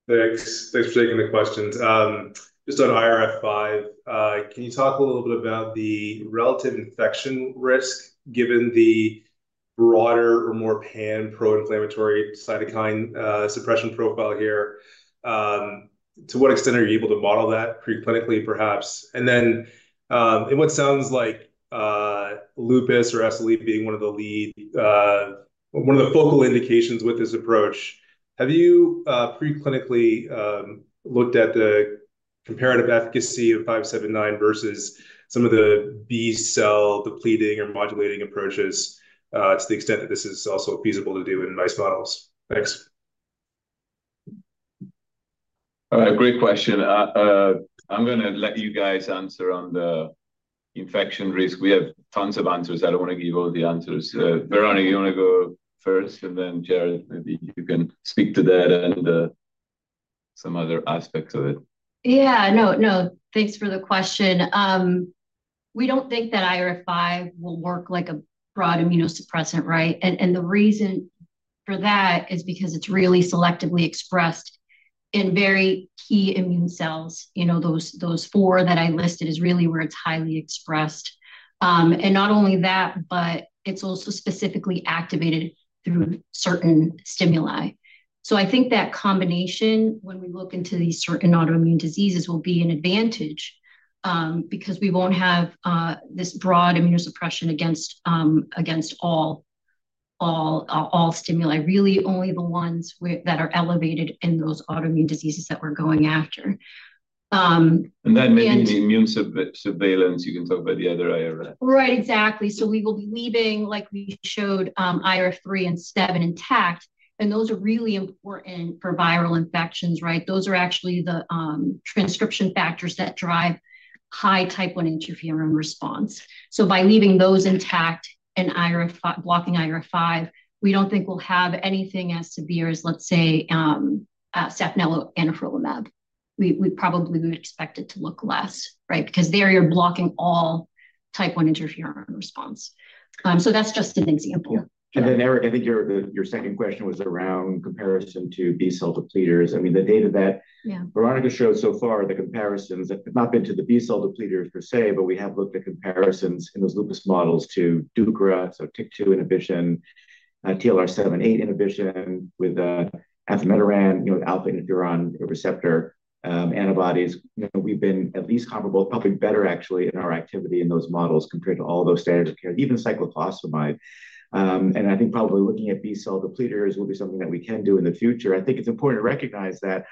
Thanks. Thanks for taking the questions. Just on IRF5, can you talk a little bit about the relative infection risk given the broader or more pan-pro-inflammatory cytokine suppression profile here? To what extent are you able to model that preclinically, perhaps? In what sounds like lupus or SLE being one of the lead, one of the focal indications with this approach, have you preclinically looked at the comparative efficacy of 579 versus some of the B-cell depleting or modulating approaches to the extent that this is also feasible to do in mice models? Thanks. Great question. I'm going to let you guys answer on the infection risk. We have tons of answers. I don't want to give you all the answers. Veronica, you want to go first? Jared, maybe you can speak to that and some other aspects of it. Yeah. No, no. Thanks for the question. We don't think that IRF5 will work like a broad immunosuppressant, right? The reason for that is because it's really selectively expressed in very key immune cells. Those four that I listed is really where it's highly expressed. Not only that, but it's also specifically activated through certain stimuli. I think that combination, when we look into these certain autoimmune diseases, will be an advantage because we won't have this broad immunosuppression against all stimuli. Really, only the ones that are elevated in those autoimmune diseases that we're going after. That may be the immune surveillance. You can talk about the other IRF. Right. Exactly. We will be leaving, like we showed, IRF3 and 7 intact. Those are really important for viral infections, right? Those are actually the transcription factors that drive high type I interferon response. By leaving those intact and blocking IRF5, we do not think we will have anything as severe as, let's say, Saphnelo, anifrolumab. We probably would expect it to look less, right? Because there you are blocking all type I interferon response. That is just an example. Eric, I think your second question was around comparison to B-cell depleters. I mean, the data that Veronica showed so far, the comparisons, have not been to the B-cell depleters per se, but we have looked at comparisons in those lupus models to deucra, so TYK2 inhibition, TLR7/8 inhibition with enpatoran, alpha interferon receptor antibodies. We have been at least comparable, probably better actually in our activity in those models compared to all those standards of care, even cyclophosphamide. I think probably looking at B-cell depleters will be something that we can do in the future. I think it's important to recognize that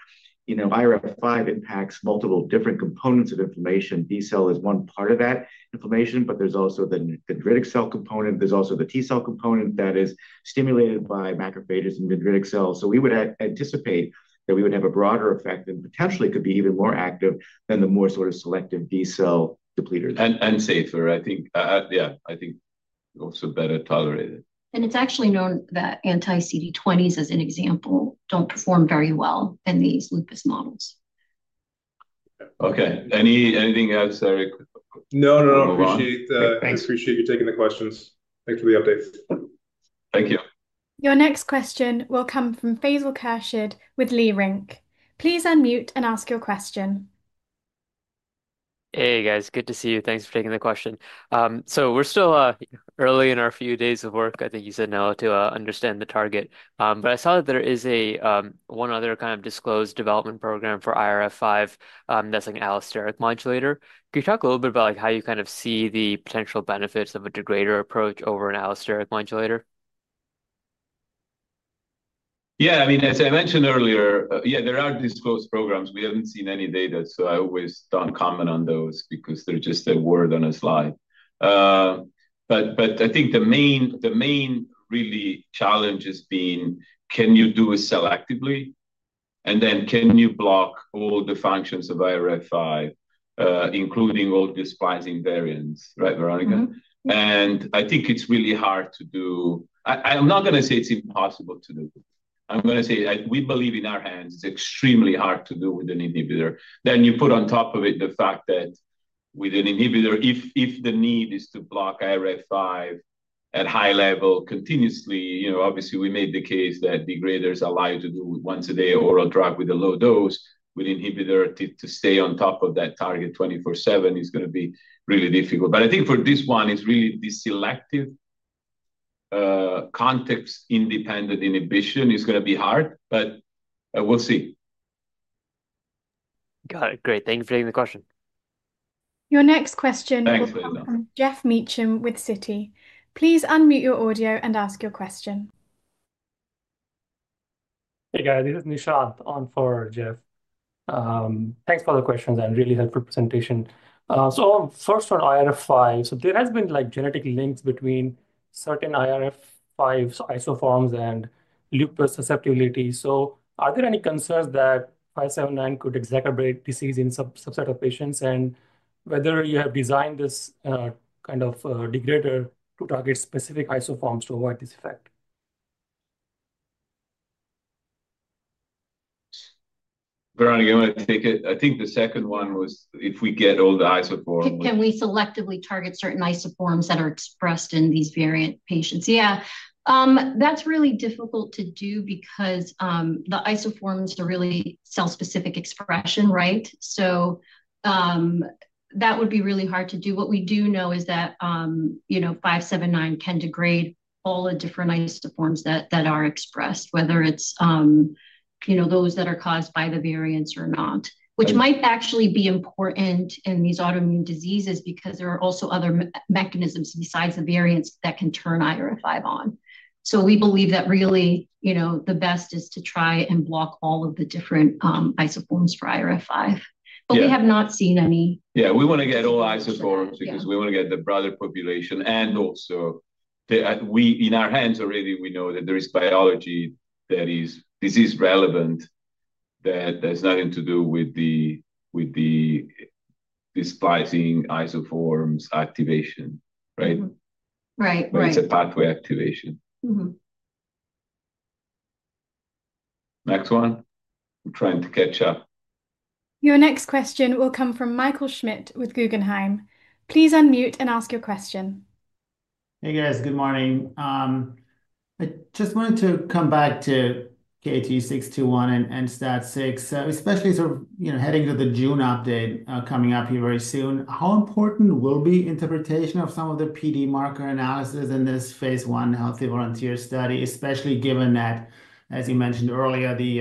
IRF5 impacts multiple different components of inflammation. B-cell is one part of that inflammation, but there's also the dendritic cell component. There's also the T-cell component that is stimulated by macrophages and dendritic cells. We would anticipate that we would have a broader effect and potentially could be even more active than the more sort of selective B-cell depleters. And safer, I think. Yeah. I think also better tolerated. It's actually known that anti-CD20s, as an example, don't perform very well in these lupus models. Okay. Anything else, Eric? No, no. Appreciate the. Thanks. Appreciate you taking the questions. Thanks for the updates. Thank you. Your next question will come from Faisal Khurshid with Leerink. Please unmute and ask your question. Hey, guys. Good to see you. Thanks for taking the question. We're still early in our few days of work, I think you said now, to understand the target. I saw that there is one other kind of disclosed development program for IRF5 that's an allosteric modulator. Could you talk a little bit about how you kind of see the potential benefits of a degrader approach over an allosteric modulator? Yeah. I mean, as I mentioned earlier, yeah, there are disclosed programs. We haven't seen any data. I always don't comment on those because they're just a word on a slide. I think the main really challenge has been, can you do it selectively? Then can you block all the functions of IRF5, including all these splicing variants, right, Veronica? I think it's really hard to do. I'm not going to say it's impossible to do. I'm going to say we believe in our hands it's extremely hard to do with an inhibitor. Then you put on top of it the fact that with an inhibitor, if the need is to block IRF5 at high level continuously, obviously, we made the case that degraders allow you to do once-a-day oral drug with a low dose. With inhibitor to stay on top of that target 24/7 is going to be really difficult. I think for this one, it's really the selective context-independent inhibition is going to be hard, but we'll see. Got it. Great. Thank you for taking the question. Your next question will come from Geoff Meacham with Citi. Please unmute your audio and ask your question. Hey, guys. This is Nishant on for Geoff. Thanks for the questions and really helpful presentation. First on IRF5, there has been genetic links between certain IRF5 isoforms and lupus susceptibility. Are there any concerns that 579 could exacerbate disease in some subset of patients? And whether you have designed this kind of degrader to target specific isoforms to avoid this effect? Veronica, you want to take it? I think the second one was if we get all the isoforms. Can we selectively target certain isoforms that are expressed in these variant patients? Yeah. That's really difficult to do because the isoforms are really cell-specific expression, right? That would be really hard to do. What we do know is that 579 can degrade all the different isoforms that are expressed, whether it's those that are caused by the variants or not, which might actually be important in these autoimmune diseases because there are also other mechanisms besides the variants that can turn IRF5 on. We believe that really the best is to try and block all of the different isoforms for IRF5. We have not seen any. Yeah. We want to get all isoforms because we want to get the broader population. Also, in our hands already, we know that there is biology that is disease-relevant that has nothing to do with the splicing isoforms activation, right? Right. Right. It's a pathway activation. Next one. I'm trying to catch up. Your next question will come from Michael Schmidt with Guggenheim. Please unmute and ask your question. Hey, guys. Good morning. I just wanted to come back to KT-621 and STAT6, especially sort of heading to the June update coming up here very soon. How important will the interpretation of some of the PD marker analysis in this phase I healthy volunteer study, especially given that, as you mentioned earlier, the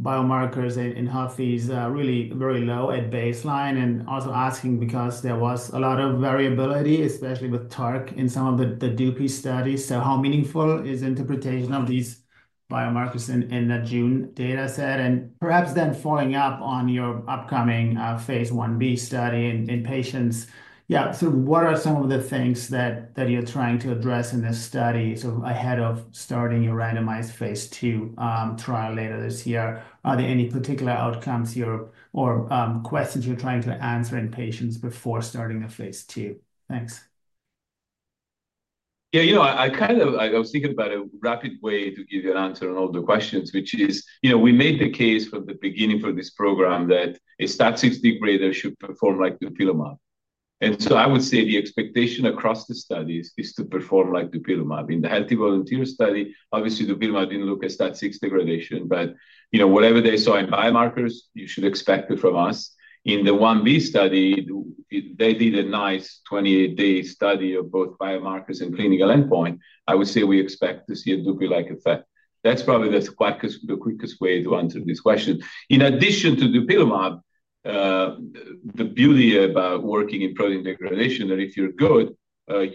biomarkers in healthy is really very low at baseline? Also asking because there was a lot of variability, especially with TARC in some of the Dupi studies. How meaningful is interpretation of these biomarkers in that June dataset? Perhaps then following up on your upcoming phase I-B study in patients, yeah, what are some of the things that you're trying to address in this study sort of ahead of starting your randomized phase II trial later this year? Are there any particular outcomes or questions you're trying to answer in patients before starting the phase two? Thanks. Yeah. I kind of I was thinking about a rapid way to give you an answer on all the questions, which is we made the case from the beginning for this program that a STAT6 degrader should perform like dupilumab. And so I would say the expectation across the studies is to perform like dupilumab. In the healthy volunteer study, obviously, dupilumab didn't look at STAT6 degradation. But whatever they saw in biomarkers, you should expect it from us. In the one B study, they did a nice 28-day study of both biomarkers and clinical endpoint. I would say we expect to see a dupi-like effect. That's probably the quickest way to answer this question. In addition to dupilumab, the beauty about working in protein degradation is that if you're good,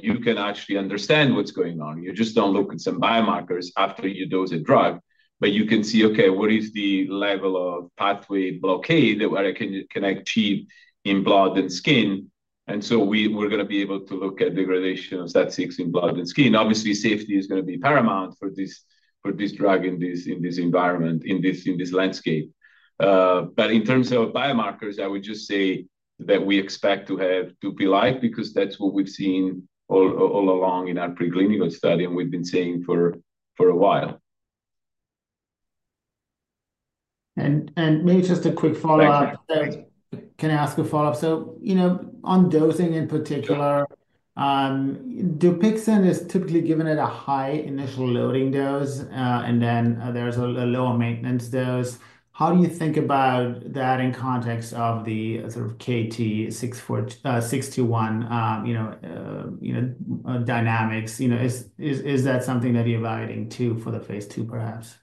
you can actually understand what's going on. You just don't look at some biomarkers after you dose a drug, but you can see, okay, what is the level of pathway blockade that can I achieve in blood and skin? We are going to be able to look at degradation of STAT6 in blood and skin. Obviously, safety is going to be paramount for this drug in this environment, in this landscape. In terms of biomarkers, I would just say that we expect to have dupilumab-like because that's what we've seen all along in our preclinical study, and we've been seeing for a while. Maybe just a quick follow-up. Can I ask a follow-up? On dosing in particular, DUPIXENT is typically given at a high initial loading dose, and then there is a lower maintenance dose. How do you think about that in context of the sort of KT-621 dynamics? Is that something that you are evaluating too for the phase II, perhaps?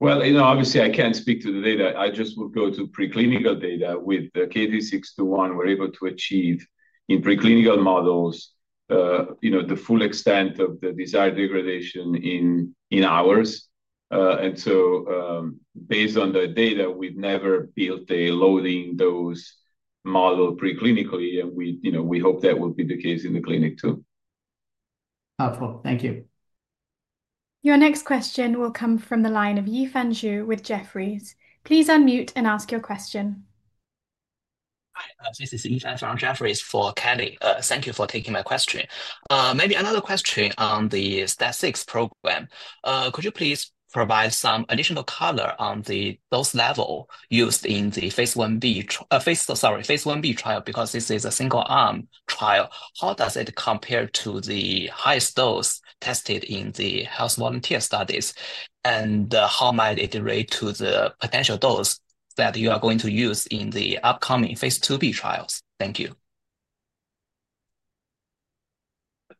Obviously, I cannot speak to the data. I just would go to preclinical data with the KT-621. We are able to achieve in preclinical models the full extent of the desired degradation in hours. Based on the data, we have never built a loading dose model preclinically, and we hope that will be the case in the clinic too. Helpful. Thank you. Your next question will come from the line of Yifan Zhu with Jefferies. Please unmute and ask your question. Hi. This is Yifan Zhu from Jefferies for Kelly. Thank you for taking my question. Maybe another question on the STAT6 program. Could you please provide some additional color on the dose level used in the phase I-B, sorry, phase I-B trial because this is a single-arm trial? How does it compare to the highest dose tested in the health volunteer studies? How might it relate to the potential dose that you are going to use in the upcoming phase II-B trials? Thank you.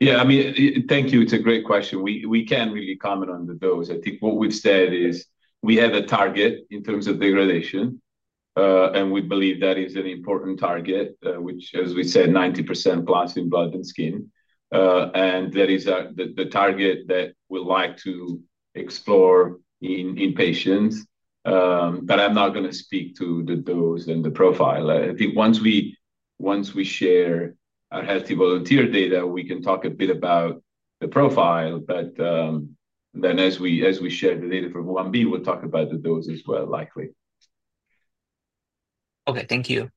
Yeah. I mean, thank you. It's a great question. We can't really comment on the dose. I think what we've said is we have a target in terms of degradation, and we believe that is an important target, which, as we said, 90% plus in blood and skin. That is the target that we'd like to explore in patients. I'm not going to speak to the dose and the profile. I think once we share our healthy volunteer data, we can talk a bit about the profile. Then as we share the data from I-B, we'll talk about the dose as well, likely. Okay. Thank you.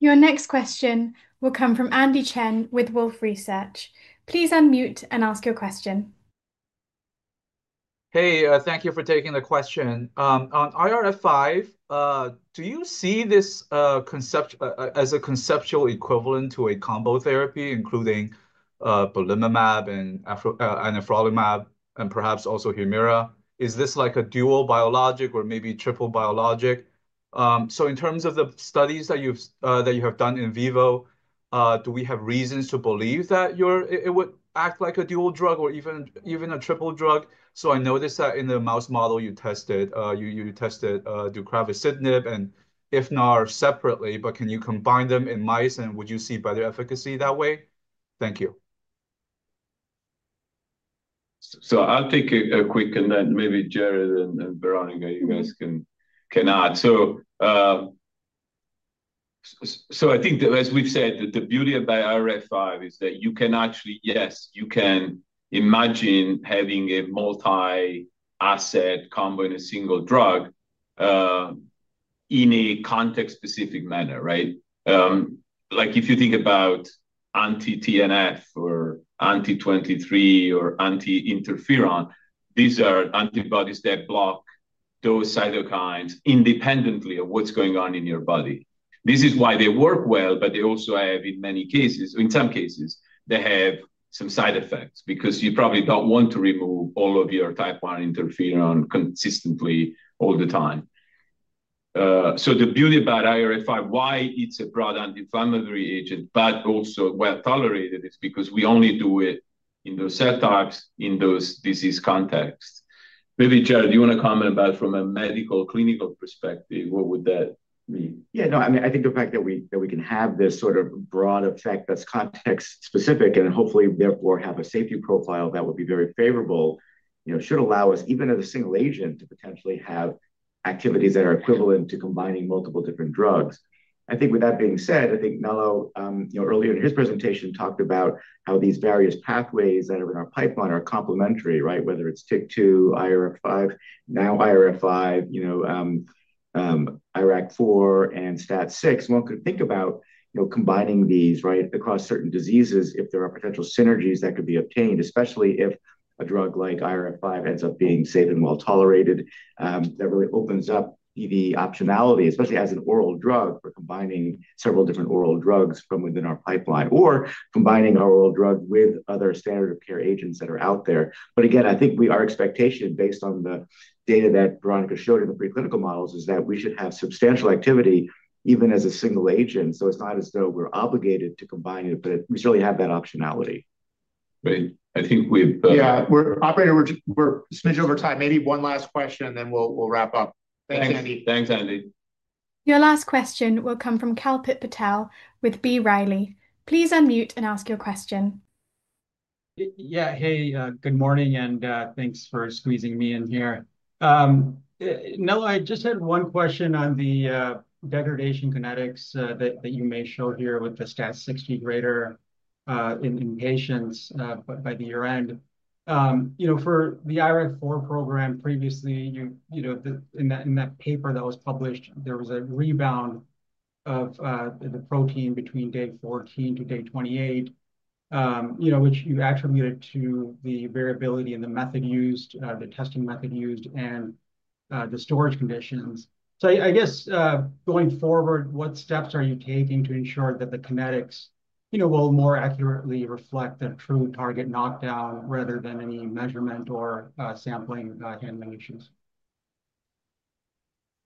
Your next question will come from Andy Chen with Wolfe Research. Please unmute and ask your question. Hey, thank you for taking the question. On IRF5, do you see this as a conceptual equivalent to a combo therapy, including belimumab and anifrolumab, and perhaps also HUMIRA? Is this like a dual biologic or maybe triple biologic? In terms of the studies that you have done in vivo, do we have reasons to believe that it would act like a dual drug or even a triple drug? I noticed that in the mouse model you tested, you tested deucravacitinib and enpatoran separately, but can you combine them in mice, and would you see better efficacy that way? Thank you. I'll take a quick and then maybe Jared and Veronica, you guys can add. I think that, as we've said, the beauty about IRF5 is that you can actually, yes, you can imagine having a multi-asset combo in a single drug in a context-specific manner, right? If you think about anti-TNF or anti-23 or anti-interferon, these are antibodies that block those cytokines independently of what's going on in your body. This is why they work well, but they also have, in many cases, in some cases, they have some side effects because you probably don't want to remove all of your type I interferon consistently all the time. The beauty about IRF5, why it's a broad anti-inflammatory agent, but also well tolerated, is because we only do it in those set types, in those disease contexts. Maybe Jared, do you want to comment about from a medical clinical perspective, what would that mean? Yeah. No. I mean, I think the fact that we can have this sort of broad effect that's context-specific and hopefully, therefore, have a safety profile that would be very favorable should allow us, even as a single agent, to potentially have activities that are equivalent to combining multiple different drugs. I think with that being said, I think Nello, earlier in his presentation, talked about how these various pathways that are in our pipeline are complementary, right? Whether it's TYK2, IRF5, now IRF5, IRF4, and STAT6, one could think about combining these, right, across certain diseases if there are potential synergies that could be obtained, especially if a drug like IRF5 ends up being safe and well tolerated. That really opens up the optionality, especially as an oral drug for combining several different oral drugs from within our pipeline or combining our oral drug with other standard of care agents that are out there. I think our expectation, based on the data that Veronica showed in the preclinical models, is that we should have substantial activity even as a single agent. It's not as though we're obligated to combine it, but we certainly have that optionality. Right. I think we've, yeah, we're a smidge over time. Maybe one last question, and then we'll wrap up. Thanks, Andy. Thanks, Andy. Your last question will come from Kalpit Patel with B Riley. Please unmute and ask your question. Yeah. Hey, good morning, and thanks for squeezing me in here. Nello, I just had one question on the degradation kinetics that you may show here with the STAT6 degrader in patients by the year end. For the IRF4 program, previously, in that paper that was published, there was a rebound of the protein between day 14 to day 28, which you attributed to the variability in the method used, the testing method used, and the storage conditions. I guess going forward, what steps are you taking to ensure that the kinetics will more accurately reflect a true target knockdown rather than any measurement or sampling handling issues?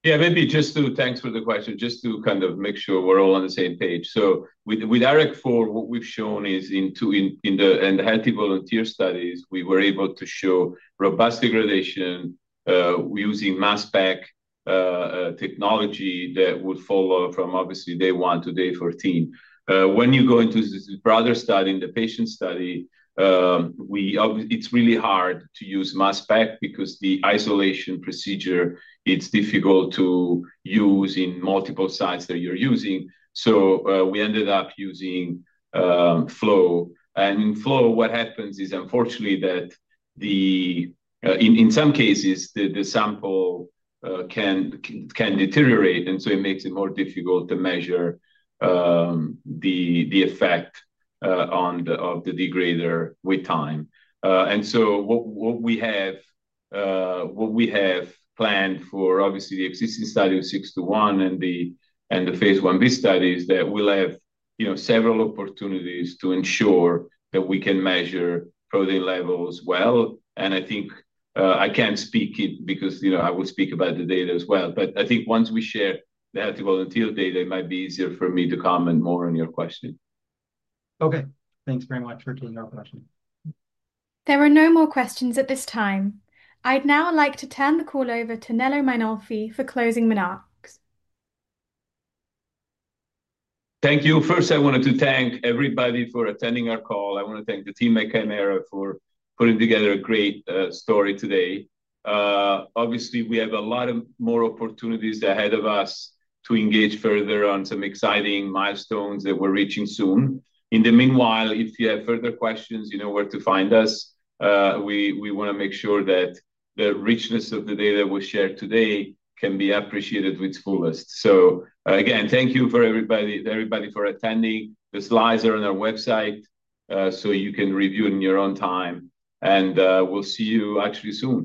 Yeah. Maybe just to thanks for the question, just to kind of make sure we're all on the same page. With IRF4, what we've shown is in the healthy volunteer studies, we were able to show robust degradation using mass spec technology that would follow from, obviously, day 1 to day 14. When you go into this broader study in the patient study, it's really hard to use mass spec because the isolation procedure, it's difficult to use in multiple sites that you're using. We ended up using flow. In flow, what happens is, unfortunately, that in some cases, the sample can deteriorate, and so it makes it more difficult to measure the effect on the degrader with time. What we have planned for, obviously, the existing study of 621 and the phase I-B study is that we'll have several opportunities to ensure that we can measure protein levels well. I think I can't speak because I will speak about the data as well. But I think once we share the healthy volunteer data, it might be easier for me to comment more on your question. Okay. Thanks very much for taking our question. There are no more questions at this time. I'd now like to turn the call over to Nello Mainolfi for closing remarks. Thank you. First, I wanted to thank everybody for attending our call. I want to thank the team at Kymera for putting together a great story today. Obviously, we have a lot more opportunities ahead of us to engage further on some exciting milestones that we're reaching soon. In the meanwhile, if you have further questions, you know where to find us. We want to make sure that the richness of the data we shared today can be appreciated to its fullest. Again, thank you for everybody for attending. The slides are on our website, so you can review in your own time. We'll see you actually soon.